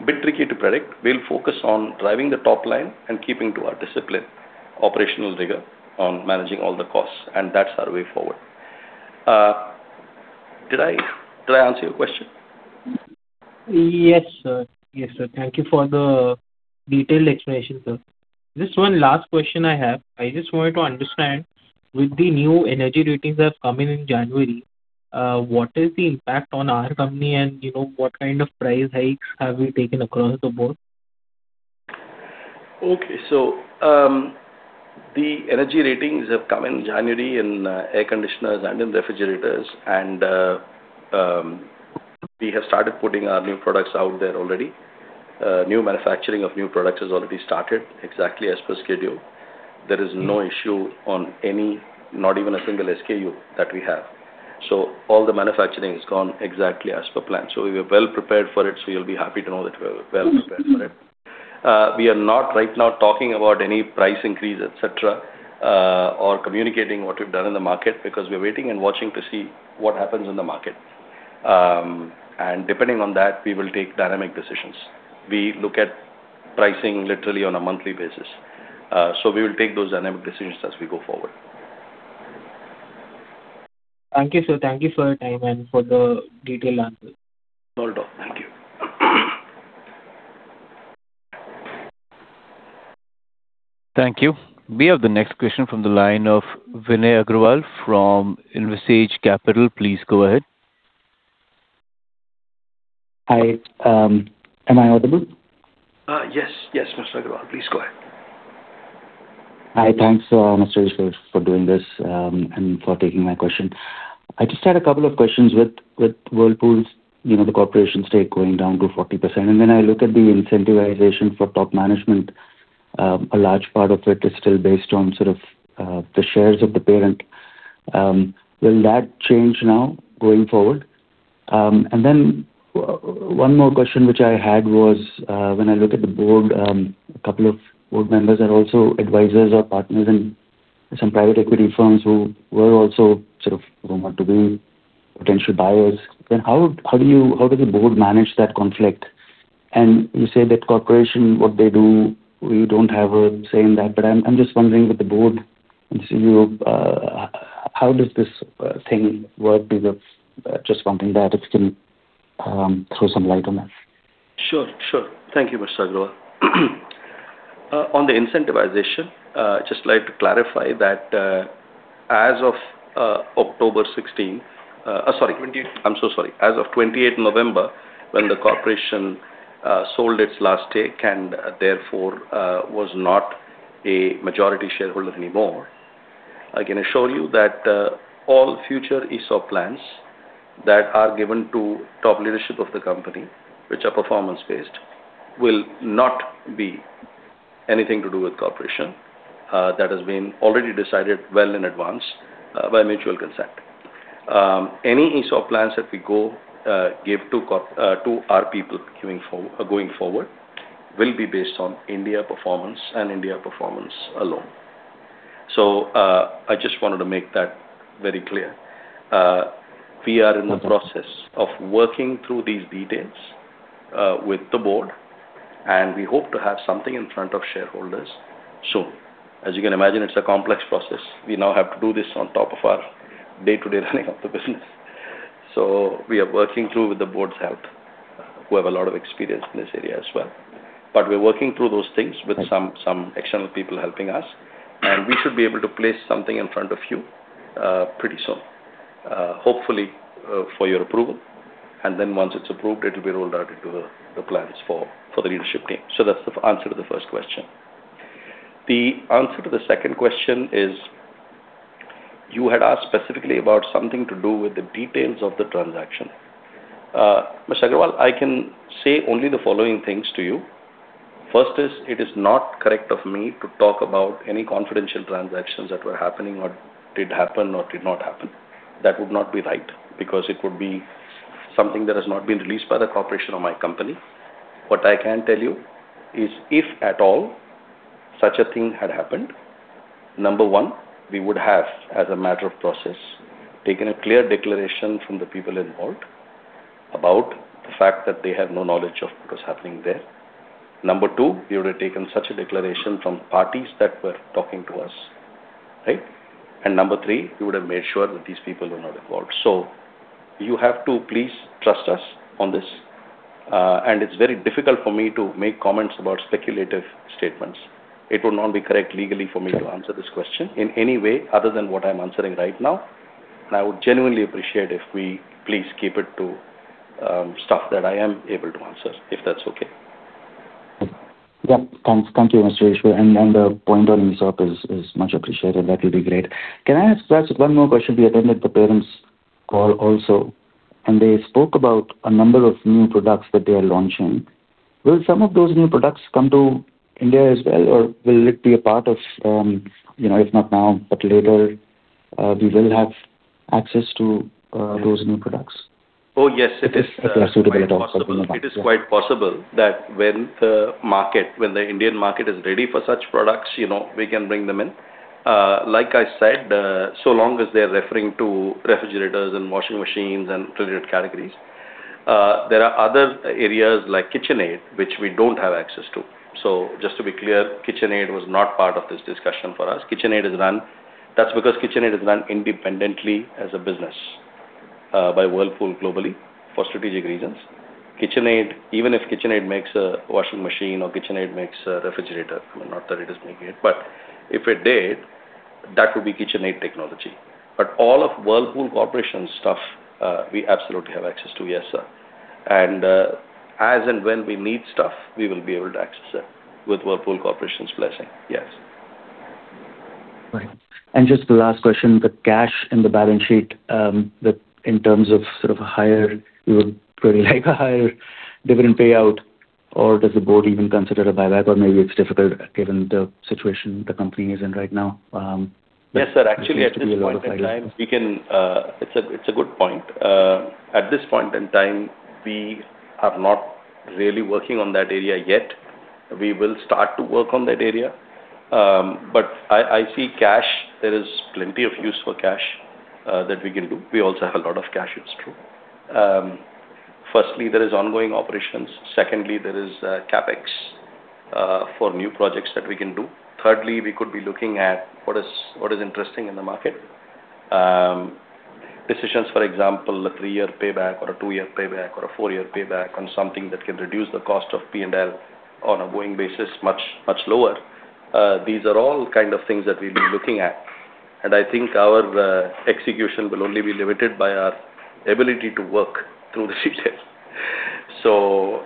a bit tricky to predict. We'll focus on driving the top line and keeping to our discipline, operational rigor on managing all the costs, and that's our way forward. Did I answer your question? Yes, sir. Yes, sir. Thank you for the detailed explanation, sir. Just one last question I have. I just wanted to understand, with the new energy ratings that have come in in January, what is the impact on our company? And, you know, what kind of price hikes have we taken across the board? Okay. So, the energy ratings have come in January in air conditioners and in refrigerators, and we have started putting our new products out there already. New manufacturing of new products has already started, exactly as per schedule. There is no issue on any, not even a single SKU that we have. So all the manufacturing has gone exactly as per plan. So we are well prepared for it, so you'll be happy to know that we're well prepared for it. We are not right now talking about any price increase, et cetera, or communicating what we've done in the market, because we're waiting and watching to see what happens in the market. And depending on that, we will take dynamic decisions. We look at pricing literally on a monthly basis. We will take those dynamic decisions as we go forward. Thank you, sir. Thank you for your time and for the detailed answer. Well done. Thank you. Thank you. We have the next question from the line of Vinay Agarwal from Invisage Capital. Please go ahead. Hi. Am I audible? Yes, yes, Mr. Agarwal, please go ahead. Hi, thanks, Mr. for doing this, and for taking my question. I just had a couple of questions with, with Whirlpool's, you know, the corporation stake going down to 40%, and then I look at the incentivization for top management, a large part of it is still based on sort of, the shares of the parent. And then one more question, which I had was, when I look at the board, a couple of board members are also advisors or partners in some private equity firms who were also sort of want to be potential buyers. Then how, how do you-- how does the board manage that conflict? You say that corporation, what they do, we don't have a say in that, but I'm just wondering with the board and CEO how does this thing work? Because just wondering that, if you can throw some light on that. Sure, sure. Thank you, Mr. Agarwal. On the incentivization, just like to clarify that, as of 28th November, when the corporation sold its last stake and therefore was not a majority shareholder anymore, I can assure you that all future ESOP plans that are given to top leadership of the company, which are performance-based, will not be anything to do with corporation. That has been already decided well in advance by mutual consent. Any ESOP plans that we give to corp to our people going forward will be based on India performance and India performance alone. So, I just wanted to make that very clear. We are in the process of working through these details with the board, and we hope to have something in front of shareholders soon. As you can imagine, it's a complex process. We now have to do this on top of our day-to-day running of the business. So we are working through with the board's help, who have a lot of experience in this area as well. But we're working through those things with some external people helping us, and we should be able to place something in front of you pretty soon, hopefully, for your approval. And then once it's approved, it will be rolled out into the plans for the leadership team. So that's the answer to the first question. The answer to the second question is, you had asked specifically about something to do with the details of the transaction. Mr. Agarwal, I can say only the following things to you. First is, it is not correct of me to talk about any confidential transactions that were happening or did happen or did not happen. That would not be right, because it would be something that has not been released by the corporation or my company. What I can tell you is, if at all such a thing had happened, number one, we would have, as a matter of process, taken a clear declaration from the people involved about the fact that they have no knowledge of what was happening there. Number two, we would have taken such a declaration from parties that were talking to us, right? Number three, we would have made sure that these people were not involved. You have to please trust us on this, and it's very difficult for me to make comments about speculative statements. It would not be correct legally for me to answer this question in any way other than what I'm answering right now, and I would genuinely appreciate if we please keep it to stuff that I am able to answer, if that's okay. Yeah. Thank you, Mr. Eswar, and the point on ESOP is much appreciated. That will be great. Can I ask just one more question? We attended the parent's call also, and they spoke about a number of new products that they are launching. Will some of those new products come to India as well, or will it be a part of, you know, if not now, but later, we will have access to those new products? Oh, yes, it is- If they are suitable at all. It is quite possible that when the market, when the Indian market is ready for such products, you know, we can bring them in. Like I said, so long as they are referring to refrigerators and washing machines and related categories. There are other areas like KitchenAid, which we don't have access to. So just to be clear, KitchenAid was not part of this discussion for us. KitchenAid is run-- That's because KitchenAid is run independently as a business by Whirlpool globally for strategic reasons. KitchenAid, even if KitchenAid makes a washing machine or KitchenAid makes a refrigerator, not that it is making it, but if it did, that would be KitchenAid technology. But all of Whirlpool Corporation stuff, we absolutely have access to. Yes, sir. And, as and when we need stuff, we will be able to access it with Whirlpool Corporation's blessing. Yes. Right. And just the last question, the cash in the balance sheet, in terms of sort of a higher, we would pretty like a higher dividend payout, or does the board even consider a buyback, or maybe it's difficult given the situation the company is in right now? Yes, sir. Actually, at this point in time, we can. It's a good point. At this point in time, we are not really working on that area yet. We will start to work on that area. But I see cash, there is plenty of use for cash that we can do. We also have a lot of cash, it's true. Firstly, there is ongoing operations. Secondly, there is CapEx for new projects that we can do. Thirdly, we could be looking at what is interesting in the market. Decisions, for example, a three-year payback or a two-year payback or a four-year payback on something that can reduce the cost of P&L on ongoing basis, much, much lower. These are all kind of things that we'll be looking at, and I think our execution will only be limited by our ability to work through the details. So,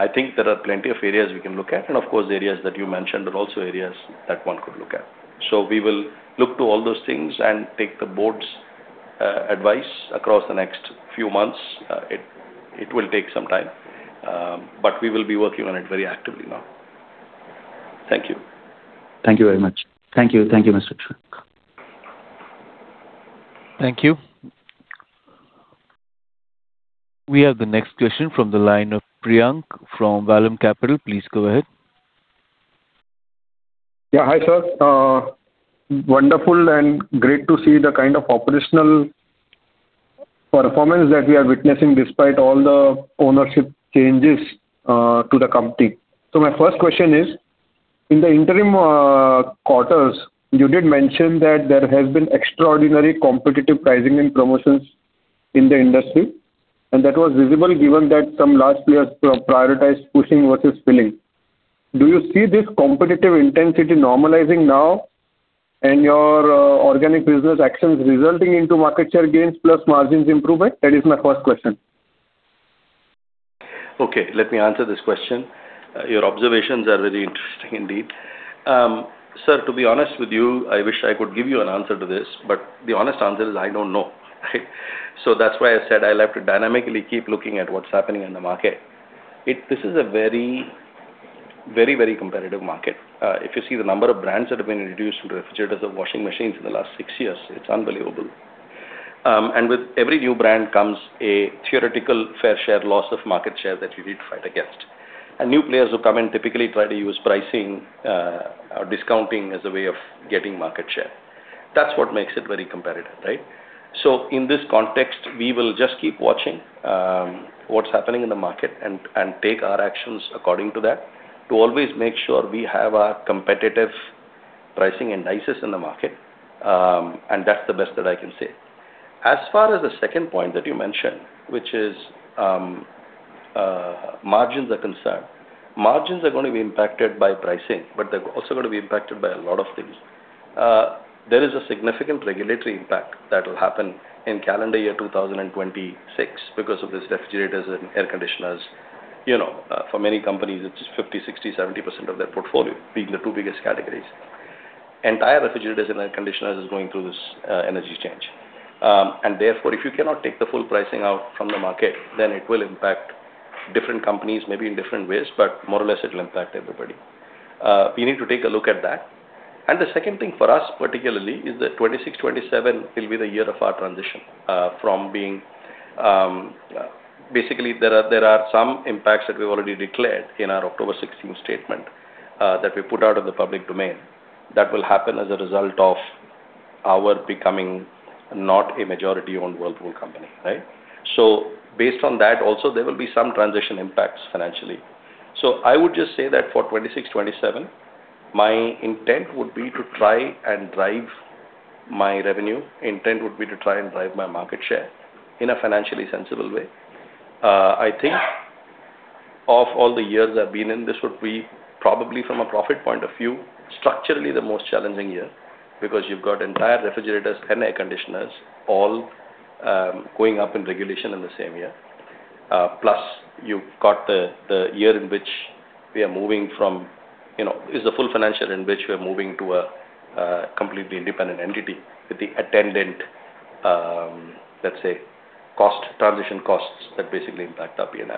I think there are plenty of areas we can look at, and of course, the areas that you mentioned are also areas that one could look at. So we will look to all those things and take the board's advice across the next few months. It will take some time, but we will be working on it very actively now. Thank you. Thank you very much. Thank you. Thank you, Mr. Eswar. Thank you. We have the next question from the line of Priyank from Vallum Capital. Please go ahead. Yeah. Hi, sir. Wonderful and great to see the kind of operational performance that we are witnessing despite all the ownership changes to the company. So my first question is: in the interim quarters, you did mention that there has been extraordinary competitive pricing and promotions in the industry, and that was visible given that some large players prioritized pushing versus pulling. Do you see this competitive intensity normalizing now and your organic business actions resulting into market share gains plus margins improvement? That is my first question. Okay, let me answer this question. Your observations are very interesting indeed. Sir, to be honest with you, I wish I could give you an answer to this, but the honest answer is, I don't know. So that's why I said I'll have to dynamically keep looking at what's happening in the market. This is a very, very, very competitive market. If you see the number of brands that have been introduced in refrigerators and washing machines in the last six years, it's unbelievable. And with every new brand comes a theoretical fair share loss of market share that we need to fight against. And new players who come in typically try to use pricing or discounting as a way of getting market share. That's what makes it very competitive, right? So in this context, we will just keep watching, what's happening in the market and take our actions according to that, to always make sure we have a competitive pricing and prices in the market. And that's the best that I can say. As far as the second point that you mentioned, which is, margins are concerned, margins are going to be impacted by pricing, but they're also going to be impacted by a lot of things. There is a significant regulatory impact that will happen in calendar year 2026 because of this refrigerators and air conditioners. You know, for many companies, it's 50, 60, 70% of their portfolio, being the two biggest categories... entire refrigerator and air conditioner is going through this, energy change. Therefore, if you cannot take the full pricing out from the market, then it will impact different companies, maybe in different ways, but more or less it will impact everybody. We need to take a look at that. The second thing for us, particularly, is that 2026, 2027 will be the year of our transition from being basically there are some impacts that we've already declared in our October 16 statement that we put out of the public domain. That will happen as a result of our becoming not a majority-owned Whirlpool company, right? So based on that also, there will be some transition impacts financially. So I would just say that for 2026, 2027, my intent would be to try and drive my revenue. Intent would be to try and drive my market share in a financially sensible way. I think of all the years I've been in, this would be probably from a profit point of view, structurally, the most challenging year, because you've got entire refrigerators and air conditioners all, going up in regulation in the same year. Plus, you've got the year in which we are moving from, you know, is the full financial in which we are moving to a completely independent entity with the attendant, let's say, cost, transition costs that basically impact our P&L.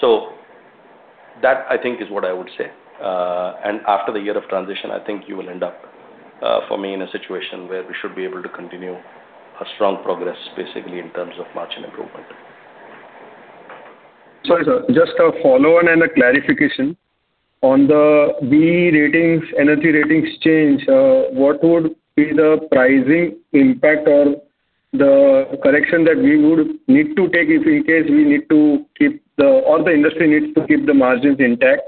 So that, I think, is what I would say. And after the year of transition, I think you will end up, for me, in a situation where we should be able to continue our strong progress, basically, in terms of margin improvement. Sorry, sir, just a follow-on and a clarification. On the BEE ratings, energy ratings change, what would be the pricing impact or the correction that we would need to take if in case we need to keep the-- or the industry needs to keep the margins intact?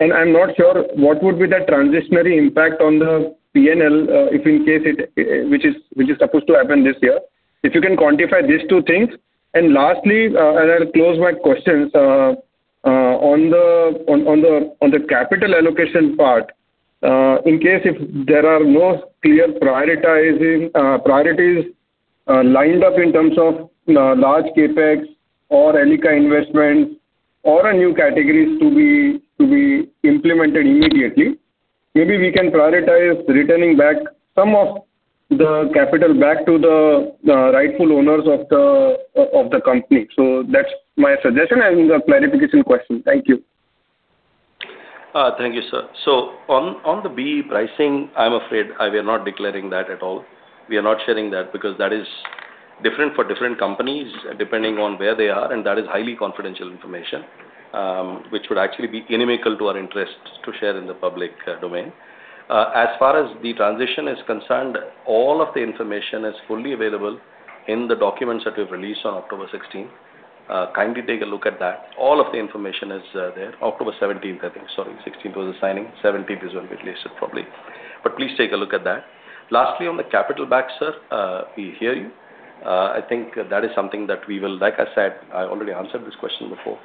And I'm not sure, what would be the transitionary impact on the P&L, if in case it, which is, which is supposed to happen this year? If you can quantify these two things. Lastly, as I close my questions, on the capital allocation part, in case if there are no clear prioritizing, priorities, lined up in terms of, large CapEx or Elica investment or a new categories to be, to be implemented immediately, maybe we can prioritize returning back some of the capital back to the, the rightful owners of the, of the company. So that's my suggestion and clarification question. Thank you. Thank you, sir. So on the BEE pricing, I'm afraid we are not declaring that at all. We are not sharing that because that is different for different companies, depending on where they are, and that is highly confidential information, which would actually be inimical to our interests to share in the public domain. As far as the transition is concerned, all of the information is fully available in the documents that we've released on October sixteenth. Kindly take a look at that. All of the information is there. October seventeenth, I think, sorry. Sixteenth was the signing, seventeenth is when we released it, probably. But please take a look at that. Lastly, on the CapEx, sir, we hear you. I think that is something that we will, like I said, I already answered this question before.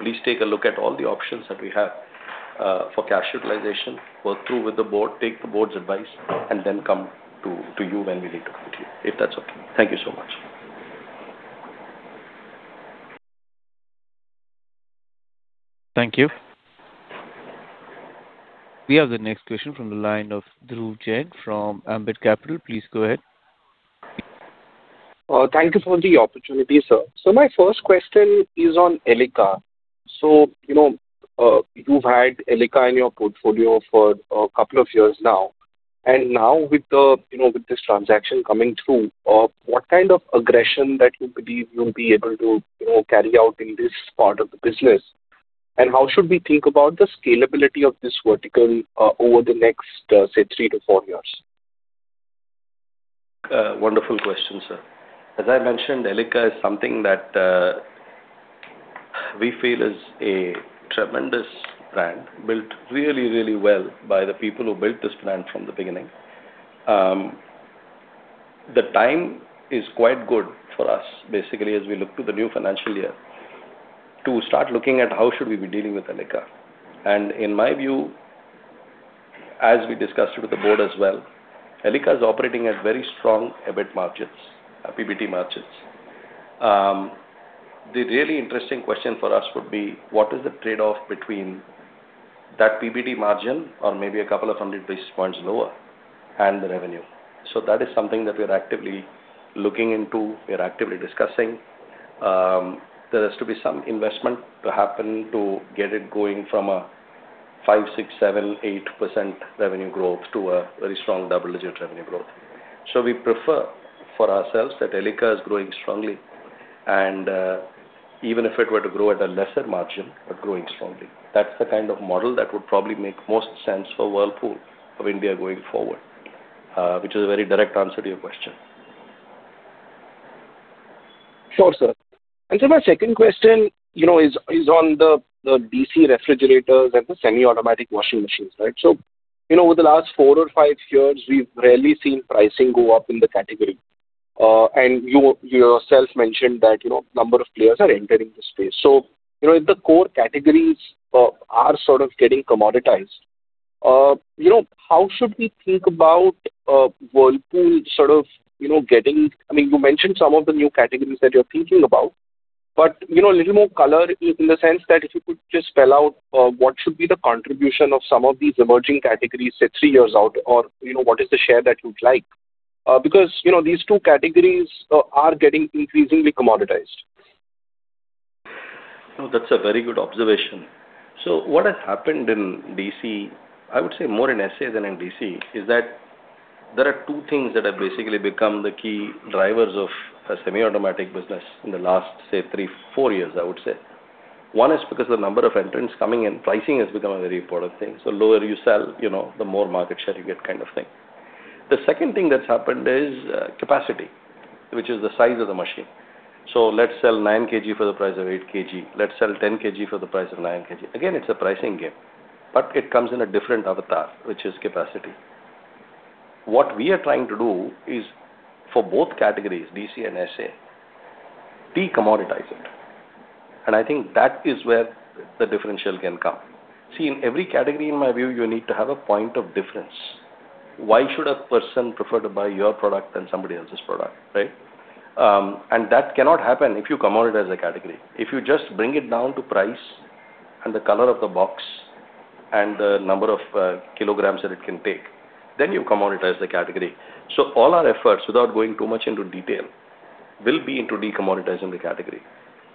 Please take a look at all the options that we have for cash utilization, work through with the board, take the board's advice, and then come to you when we need to come to you, if that's okay. Thank you so much. Thank you. We have the next question from the line of Dhruv Jain from Ambit Capital. Please go ahead. Thank you for the opportunity, sir. So my first question is on Elica. So, you know, you've had Elica in your portfolio for a couple of years now, and now with the, you know, with this transaction coming through, what kind of aggression that you believe you'll be able to, you know, carry out in this part of the business? And how should we think about the scalability of this vertical, over the next, say, three to four years? Wonderful question, sir. As I mentioned, Elica is something that we feel is a tremendous brand, built really, really well by the people who built this brand from the beginning. The time is quite good for us, basically, as we look to the new financial year, to start looking at how should we be dealing with Elica. And in my view, as we discussed with the board as well, Elica is operating at very strong EBIT margins, PBT margins. The really interesting question for us would be: What is the trade-off between that PBT margin or maybe a couple of hundred basis points lower and the revenue? So that is something that we are actively looking into, we are actively discussing. There has to be some investment to happen to get it going from a 5, 6, 7, 8% revenue growth to a very strong double-digit revenue growth. So we prefer for ourselves that Elica is growing strongly, and even if it were to grow at a lesser margin, but growing strongly. That's the kind of model that would probably make most sense for Whirlpool of India going forward, which is a very direct answer to your question. Sure, sir. And so my second question, you know, is on the DC refrigerators and the semi-automatic washing machines, right? So, you know, over the last four or five years, we've rarely seen pricing go up in the category. And you yourself mentioned that, you know, number of players are entering the space. So, you know, if the core categories are sort of getting commoditized, you know, how should we think about Whirlpool sort of, you know, getting... I mean, you mentioned some of the new categories that you're thinking about... But, you know, a little more color in the sense that if you could just spell out what should be the contribution of some of these emerging categories, say, three years out, or, you know, what is the share that you'd like? Because, you know, these two categories are getting increasingly commoditized. No, that's a very good observation. So what has happened in DC, I would say more in SA than in DC, is that there are two things that have basically become the key drivers of a semi-automatic business in the last, say, three, four years, I would say. One is because the number of entrants coming in, pricing has become a very important thing. So lower you sell, you know, the more market share you get kind of thing. The second thing that's happened is, capacity, which is the size of the machine. So let's sell 9 kg for the price of 8 kg. Let's sell 10 kg for the price of 9 kg. Again, it's a pricing game, but it comes in a different avatar, which is capacity. What we are trying to do is for both categories, DC and SA, de-commoditize it, and I think that is where the differential can come. See, in every category, in my view, you need to have a point of difference. Why should a person prefer to buy your product than somebody else's product, right? And that cannot happen if you commoditize the category. If you just bring it down to price, and the color of the box, and the number of kilograms that it can take, then you commoditize the category. So all our efforts, without going too much into detail, will be into de-commoditizing the category.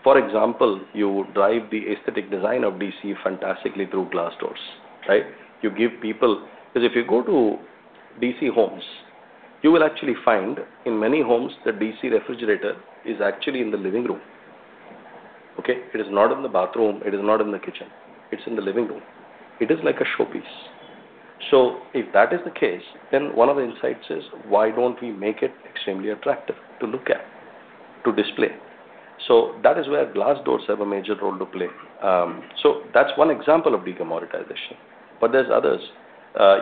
For example, you drive the aesthetic design of DC fantastically through glass doors, right? You give people... Because if you go to DC homes, you will actually find in many homes, the DC refrigerator is actually in the living room, okay? It is not in the bathroom, it is not in the kitchen, it's in the living room. It is like a showpiece. So if that is the case, then one of the insights is why don't we make it extremely attractive to look at, to display? So that is where glass doors have a major role to play. So that's one example of de-commoditization, but there's others.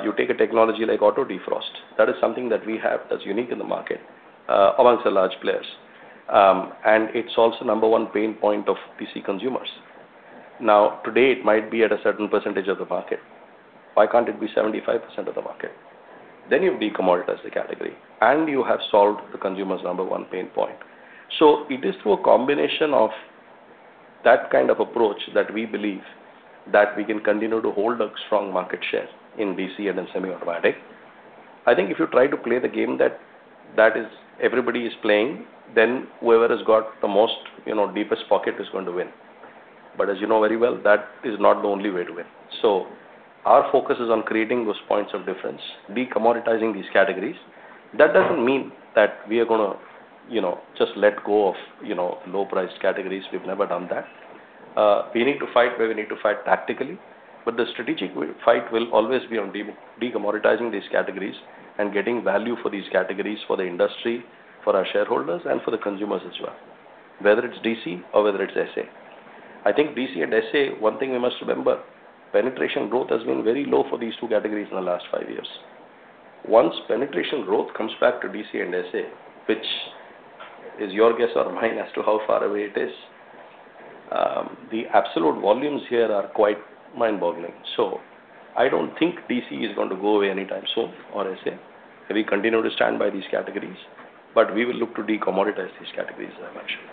You take a technology like auto defrost. That is something that we have that's unique in the market, amongst the large players. And it solves the number one pain point of DC consumers. Now, today, it might be at a certain percentage of the market. Why can't it be 75% of the market? Then you've de-commoditized the category, and you have solved the consumer's number one pain point. So it is through a combination of that kind of approach that we believe that we can continue to hold a strong market share in DC and in semi-automatic. I think if you try to play the game that, that is everybody is playing, then whoever has got the most, you know, deepest pocket is going to win. But as you know very well, that is not the only way to win. So our focus is on creating those points of difference, de-commoditizing these categories. That doesn't mean that we are gonna, you know, just let go of, you know, low-priced categories. We've never done that. We need to fight where we need to fight tactically, but the strategic fight will always be on de-commoditizing these categories and getting value for these categories, for the industry, for our shareholders, and for the consumers as well, whether it's DC or whether it's SA. I think DC and SA, one thing we must remember, penetration growth has been very low for these two categories in the last five years. Once penetration growth comes back to DC and SA, which is your guess or mine as to how far away it is, the absolute volumes here are quite mind-boggling. So I don't think DC is going to go away anytime soon, or SA. We continue to stand by these categories, but we will look to de-commoditize these categories, as I mentioned.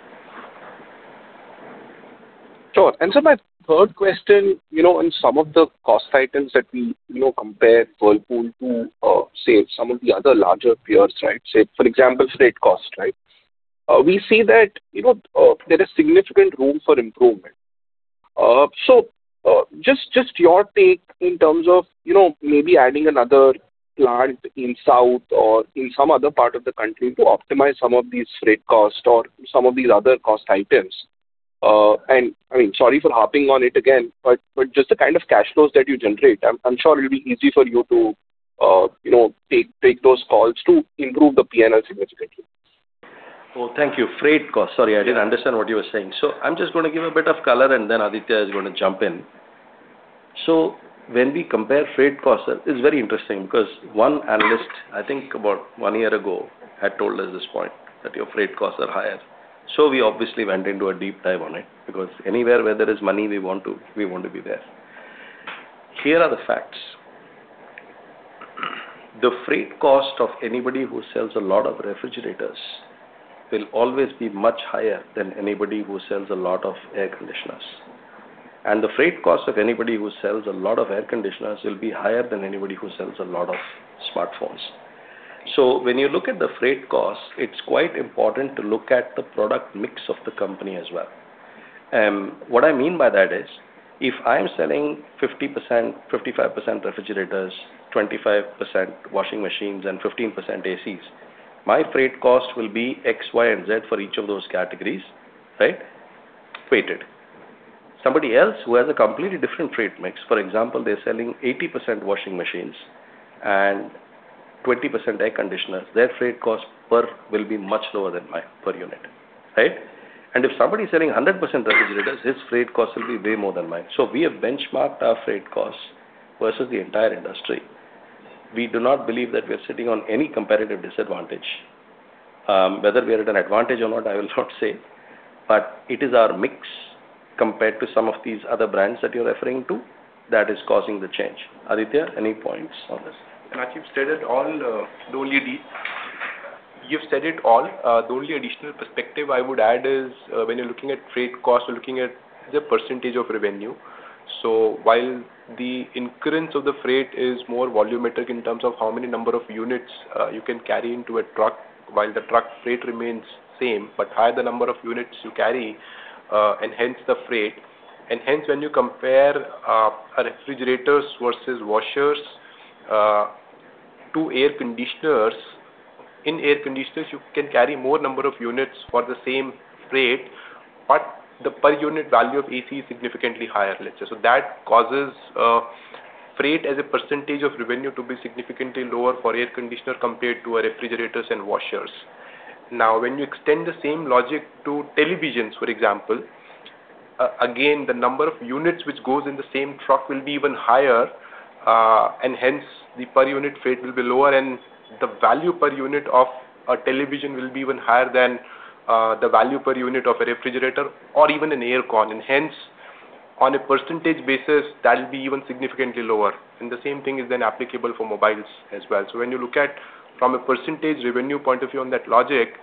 Sure. And so my third question, you know, in some of the cost items that we, you know, compare Whirlpool to, say, some of the other larger peers, right? Say, for example, freight cost, right? We see that, you know, there is significant room for improvement. So, just your take in terms of, you know, maybe adding another plant in south or in some other part of the country to optimize some of these freight costs or some of these other cost items. And, I mean, sorry for harping on it again, but just the kind of cash flows that you generate, I'm sure it'll be easy for you to, you know, take those calls to improve the P&L significantly. Oh, thank you. Freight cost. Sorry, I didn't understand what you were saying. So I'm just going to give a bit of color, and then Aditya is going to jump in. So when we compare freight costs, it's very interesting because one analyst, I think about one year ago, had told us this point, that your freight costs are higher. So we obviously went into a deep dive on it, because anywhere where there is money, we want to, we want to be there. Here are the facts: the freight cost of anybody who sells a lot of refrigerators will always be much higher than anybody who sells a lot of air conditioners. And the freight cost of anybody who sells a lot of air conditioners will be higher than anybody who sells a lot of smartphones. When you look at the freight cost, it's quite important to look at the product mix of the company as well. What I mean by that is, if I'm selling 50%-55% refrigerators, 25% washing machines, and 15% ACs, my freight cost will be X, Y, and Z for each of those categories, right? Weighted. Somebody else who has a completely different freight mix, for example, they're selling 80% washing machines and 20% air conditioners, their freight cost per will be much lower than mine per unit, right? And if somebody is selling 100% refrigerators, his freight cost will be way more than mine. So we have benchmarked our freight costs versus the entire industry. We do not believe that we are sitting on any competitive disadvantage. Whether we are at an advantage or not, I will not say, but it is our mix compared to some of these other brands that you're referring to, that is causing the change. Aditya, any points on this? I think you've said it all. You've said it all. The only additional perspective I would add is, when you're looking at freight costs, you're looking at the percentage of revenue. So while the incurrence of the freight is more volumetric in terms of how many number of units you can carry into a truck, while the truck freight remains same, but higher the number of units you carry, and hence the freight. And hence, when you compare, a refrigerators versus washers to air conditioners, in air conditioners, you can carry more number of units for the same freight, but the per unit value of AC is significantly higher, let's say. So that causes, freight as a percentage of revenue to be significantly lower for air conditioner compared to a refrigerators and washers. Now, when you extend the same logic to televisions, for example, again, the number of units which goes in the same truck will be even higher, and hence, the per unit freight will be lower, and the value per unit of a television will be even higher than, the value per unit of a refrigerator or even an air con. And hence, on a percentage basis, that will be even significantly lower, and the same thing is then applicable for mobiles as well. So when you look at from a percentage revenue point of view on that logic,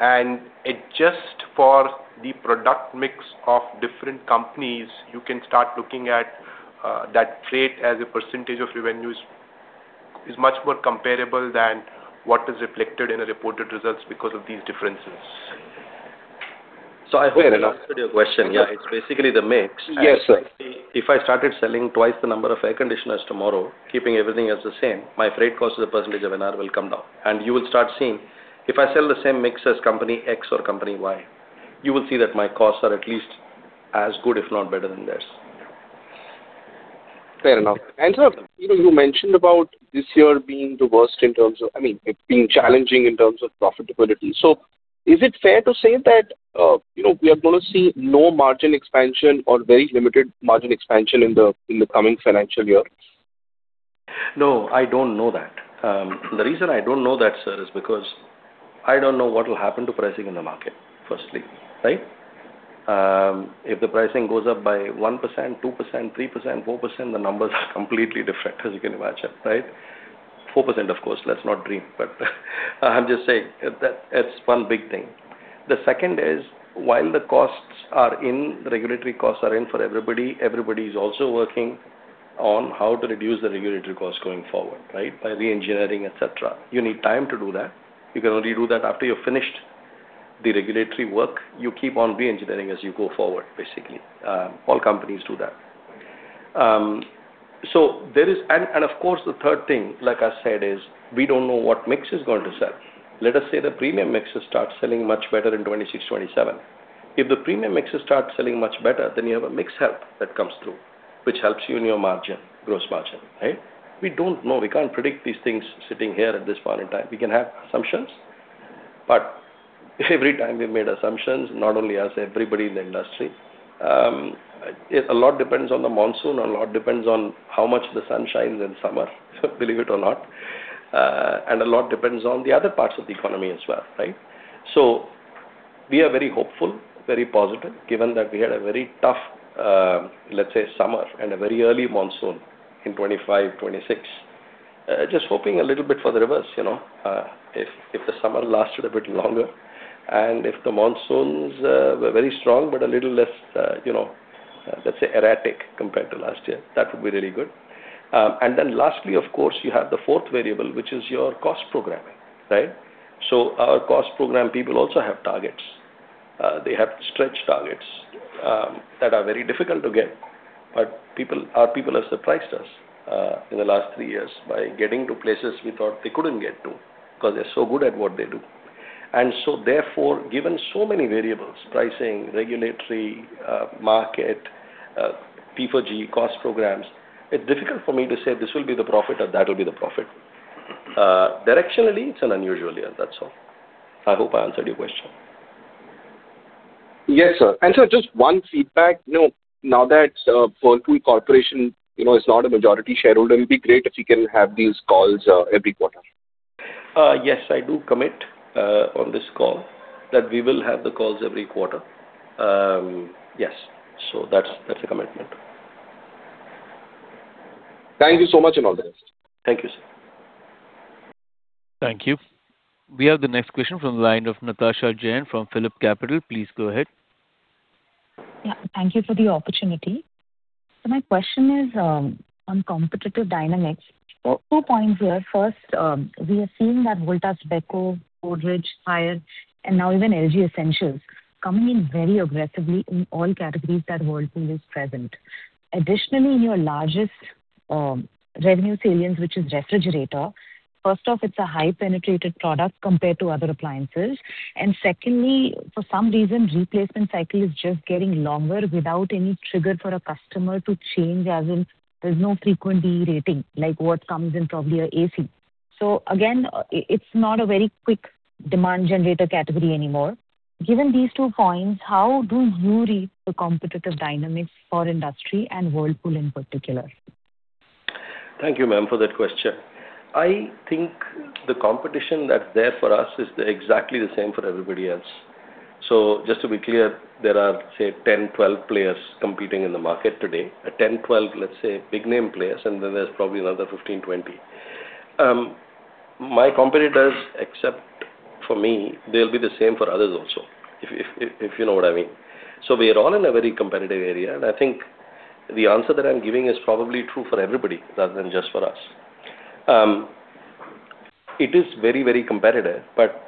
and adjust for the product mix of different companies, you can start looking at, that freight as a percentage of revenues is much more comparable than what is reflected in the reported results because of these differences. I hope I answered your question. Yeah, it's basically the mix. Yes, sir. If I started selling twice the number of air conditioners tomorrow, keeping everything else the same, my freight cost as a percentage of NR will come down. You will start seeing if I sell the same mix as company X or company Y, you will see that my costs are at least as good, if not better than theirs. Fair enough. Sir, you know, you mentioned about this year being the worst in terms of, I mean, it being challenging in terms of profitability. So is it fair to say that, you know, we are going to see no margin expansion or very limited margin expansion in the coming financial year? No, I don't know that. The reason I don't know that, sir, is because I don't know what will happen to pricing in the market, firstly, right? If the pricing goes up by 1%, 2%, 3%, 4%, the numbers are completely different, as you can imagine, right? 4%, of course, let's not dream, but I'm just saying that it's one big thing. The second is, while the costs are in, the regulatory costs are in for everybody, everybody is also working on how to reduce the regulatory costs going forward, right? By reengineering, et cetera. You need time to do that. You can only do that after you're finished the regulatory work. You keep on reengineering as you go forward, basically. All companies do that. And, and of course, the third thing, like I said, is we don't know what mix is going to sell. Let us say the premium mix starts selling much better in 2026, 2027. If the premium mix starts selling much better, then you have a mix help that comes through, which helps you in your margin, gross margin, right? We don't know. We can't predict these things sitting here at this point in time. We can have assumptions, but every time we've made assumptions, not only us, everybody in the industry, a lot depends on the monsoon, a lot depends on how much the sun shines in summer, believe it or not, and a lot depends on the other parts of the economy as well, right? So we are very hopeful, very positive, given that we had a very tough, let's say, summer and a very early monsoon in 2025, 2026. Just hoping a little bit for the reverse, you know, if the summer lasted a bit longer and if the monsoons were very strong, but a little less, you know, let's say, erratic compared to last year, that would be really good. And then lastly, of course, you have the fourth variable, which is your cost programming, right? So our cost program people also have targets. They have stretch targets that are very difficult to get. But people, our people have surprised us in the last three years by getting to places we thought they couldn't get to, because they're so good at what they do. And so therefore, given so many variables, pricing, regulatory, market, P4G, cost programs, it's difficult for me to say this will be the profit or that will be the profit. Directionally, it's an unusual year, that's all. I hope I answered your question. Yes, sir. And sir, just one feedback. You know, now that, Whirlpool Corporation, you know, is not a majority shareholder, it would be great if we can have these calls, every quarter. Yes, I do commit on this call that we will have the calls every quarter. Yes, so that's, that's a commitment. Thank you so much and all the best. Thank you, sir. Thank you. We have the next question from the line of Natasha Jain from PhillipCapital. Please go ahead. Yeah, thank you for the opportunity. So my question is on competitive dynamics. So two points here. First, we are seeing that Voltas, Beko, Godrej, Haier, and now even LG Essentials coming in very aggressively in all categories that Whirlpool is present. Additionally, in your largest revenue salience, which is refrigerator, first off, it's a highly penetrated product compared to other appliances, and secondly, for some reason, replacement cycle is just getting longer without any trigger for a customer to change, as in there's no frequent de-rating, like what comes in from your AC. So again, it's not a very quick demand generator category anymore. Given these two points, how do you read the competitive dynamics for industry and Whirlpool in particular?... Thank you, ma'am, for that question. I think the competition that's there for us is exactly the same for everybody else. So just to be clear, there are, say, 10, 12 players competing in the market today. 10, 12, let's say, big name players, and then there's probably another 15, 20. My competitors, except for me, they'll be the same for others also, if you know what I mean. So we are all in a very competitive area, and I think the answer that I'm giving is probably true for everybody rather than just for us. It is very, very competitive, but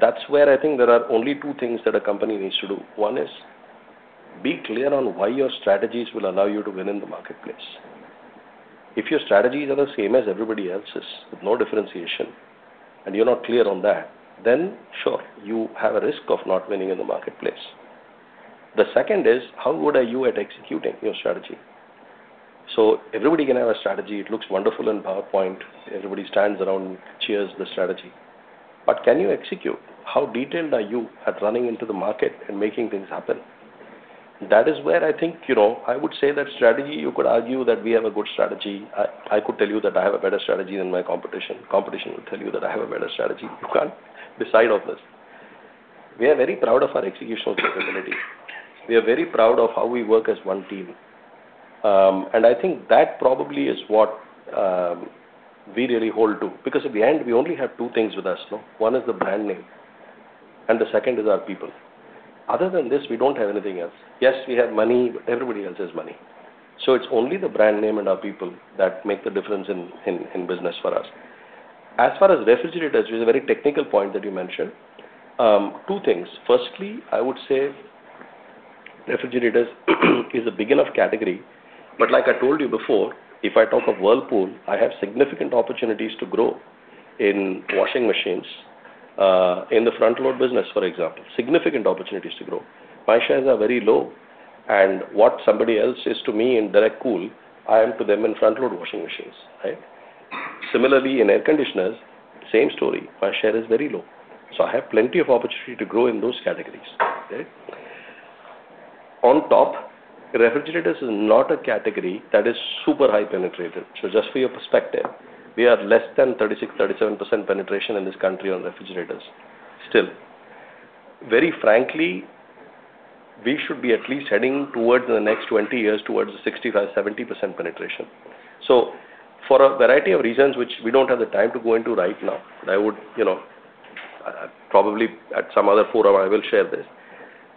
that's where I think there are only two things that a company needs to do. One is: be clear on why your strategies will allow you to win in the marketplace. If your strategies are the same as everybody else's, with no differentiation, and you're not clear on that, then sure, you have a risk of not winning in the marketplace. The second is: how good are you at executing your strategy? So everybody can have a strategy. It looks wonderful in PowerPoint. Everybody stands around, cheers the strategy. But can you execute? How detailed are you at running into the market and making things happen? That is where I think, you know, I would say that strategy, you could argue that we have a good strategy. I, I could tell you that I have a better strategy than my competition. Competition will tell you that I have a better strategy. You can't decide on this. We are very proud of our execution ability. We are very proud of how we work as one team. And I think that probably is what we really hold to, because at the end, we only have two things with us, no? One is the brand name, and the second is our people. Other than this, we don't have anything else. Yes, we have money, but everybody else has money. So it's only the brand name and our people that make the difference in business for us. As far as refrigerators, which is a very technical point that you mentioned, two things. Firstly, I would say refrigerators is a big enough category, but like I told you before, if I talk of Whirlpool, I have significant opportunities to grow in washing machines, in the front load business, for example. Significant opportunities to grow. My shares are very low, and what somebody else is to me in direct cool, I am to them in front load washing machines, right? Similarly, in air conditioners, same story. My share is very low, so I have plenty of opportunity to grow in those categories. Okay? On top, refrigerators is not a category that is super high penetrated. So just for your perspective, we are less than 36%-37% penetration in this country on refrigerators. Still, very frankly, we should be at least heading towards the next 20 years, towards the 65%-70% penetration. So for a variety of reasons, which we don't have the time to go into right now, I would, you know, probably at some other forum, I will share this.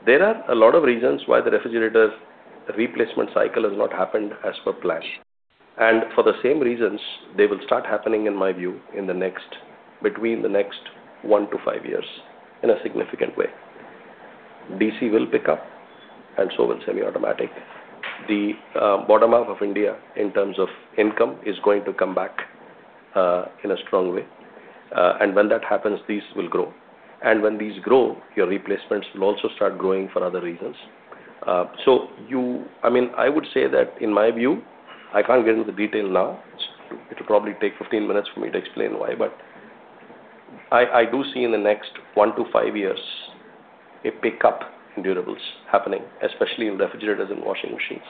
There are a lot of reasons why the refrigerators replacement cycle has not happened as per plan. For the same reasons, they will start happening, in my view, in the next 1-5 years in a significant way. DC will pick up, and so will semiautomatic. The bottom half of India, in terms of income, is going to come back in a strong way. And when that happens, these will grow. And when these grow, your replacements will also start growing for other reasons. So, I mean, I would say that in my view, I can't get into the detail now. It will probably take 15 minutes for me to explain why, but I do see in the next 1-5 years, a pickup in durables happening, especially in refrigerators and washing machines.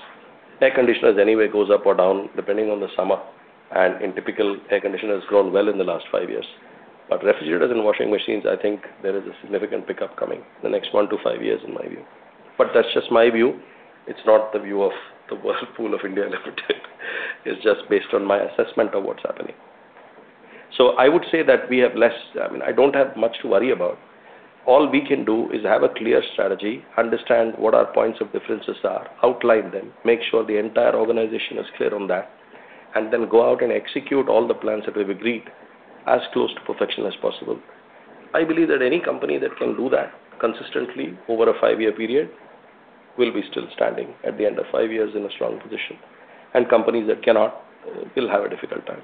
Air conditioners, anyway, goes up or down, depending on the summer, and in typical, air conditioners grown well in the last five years. But refrigerators and washing machines, I think there is a significant pickup coming in the next 1-5 years, in my view. But that's just my view. It's not the view of the Whirlpool of India Limited. It's just based on my assessment of what's happening. So I would say that we have less, I mean, I don't have much to worry about. All we can do is have a clear strategy, understand what our points of differences are, outline them, make sure the entire organization is clear on that, and then go out and execute all the plans that we've agreed as close to perfection as possible. I believe that any company that can do that consistently over a five-year period, will be still standing at the end of five years in a strong position. Companies that cannot, will have a difficult time.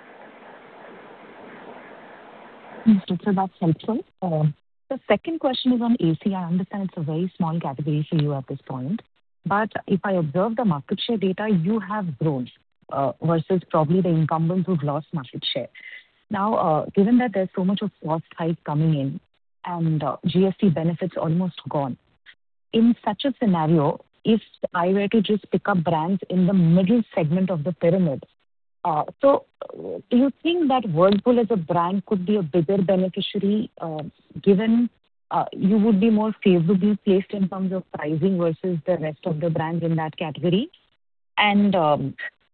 Thank you, sir. That's helpful. The second question is on AC. I understand it's a very small category for you at this point, but if I observe the market share data, you have grown, versus probably the incumbents who've lost market share. Now, given that there's so much of cost hike coming in and GST benefits almost gone, in such a scenario, if I were to just pick up brands in the middle segment of the pyramid, so do you think that Whirlpool as a brand could be a bigger beneficiary, given you would be more favorably placed in terms of pricing versus the rest of the brands in that category? And,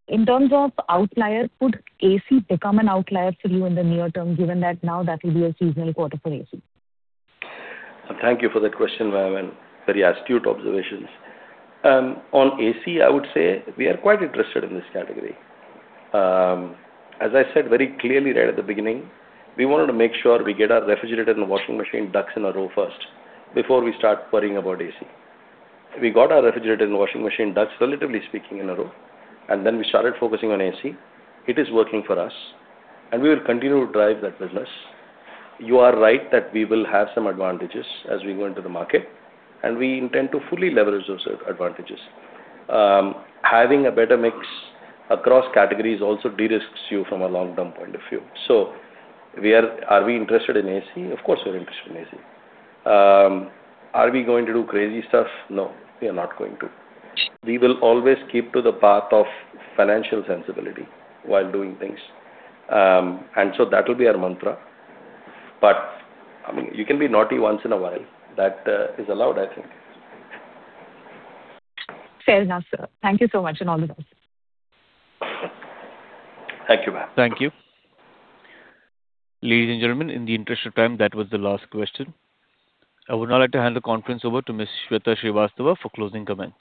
in terms of outlier, could AC become an outlier for you in the near term, given that now that will be a seasonal quarter for AC? Thank you for that question, ma'am, and very astute observations. On AC, I would say we are quite interested in this category. As I said very clearly right at the beginning, we wanted to make sure we get our refrigerator and washing machine ducks in a row first, before we start worrying about AC. We got our refrigerator and washing machine ducks, relatively speaking, in a row, and then we started focusing on AC. It is working for us, and we will continue to drive that business. You are right that we will have some advantages as we go into the market, and we intend to fully leverage those advantages. Having a better mix across categories also de-risks you from a long-term point of view. So we are. Are we interested in AC? Of course, we're interested in AC. Are we going to do crazy stuff? No, we are not going to. We will always keep to the path of financial sensibility while doing things. And so that will be our mantra. But, I mean, you can be naughty once in a while. That is allowed, I think. Fair enough, sir. Thank you so much, and all the best. Thank you, ma'am. Thank you. Ladies and gentlemen, in the interest of time, that was the last question. I would now like to hand the conference over to Miss Sweta Srivastava for closing comments.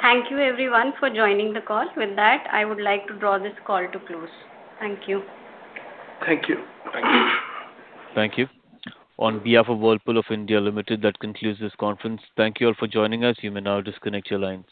Thank you, everyone, for joining the call. With that, I would like to draw this call to close. Thank you. Thank you. Thank you. Thank you. On behalf of Whirlpool of India Limited, that concludes this conference. Thank you all for joining us. You may now disconnect your lines.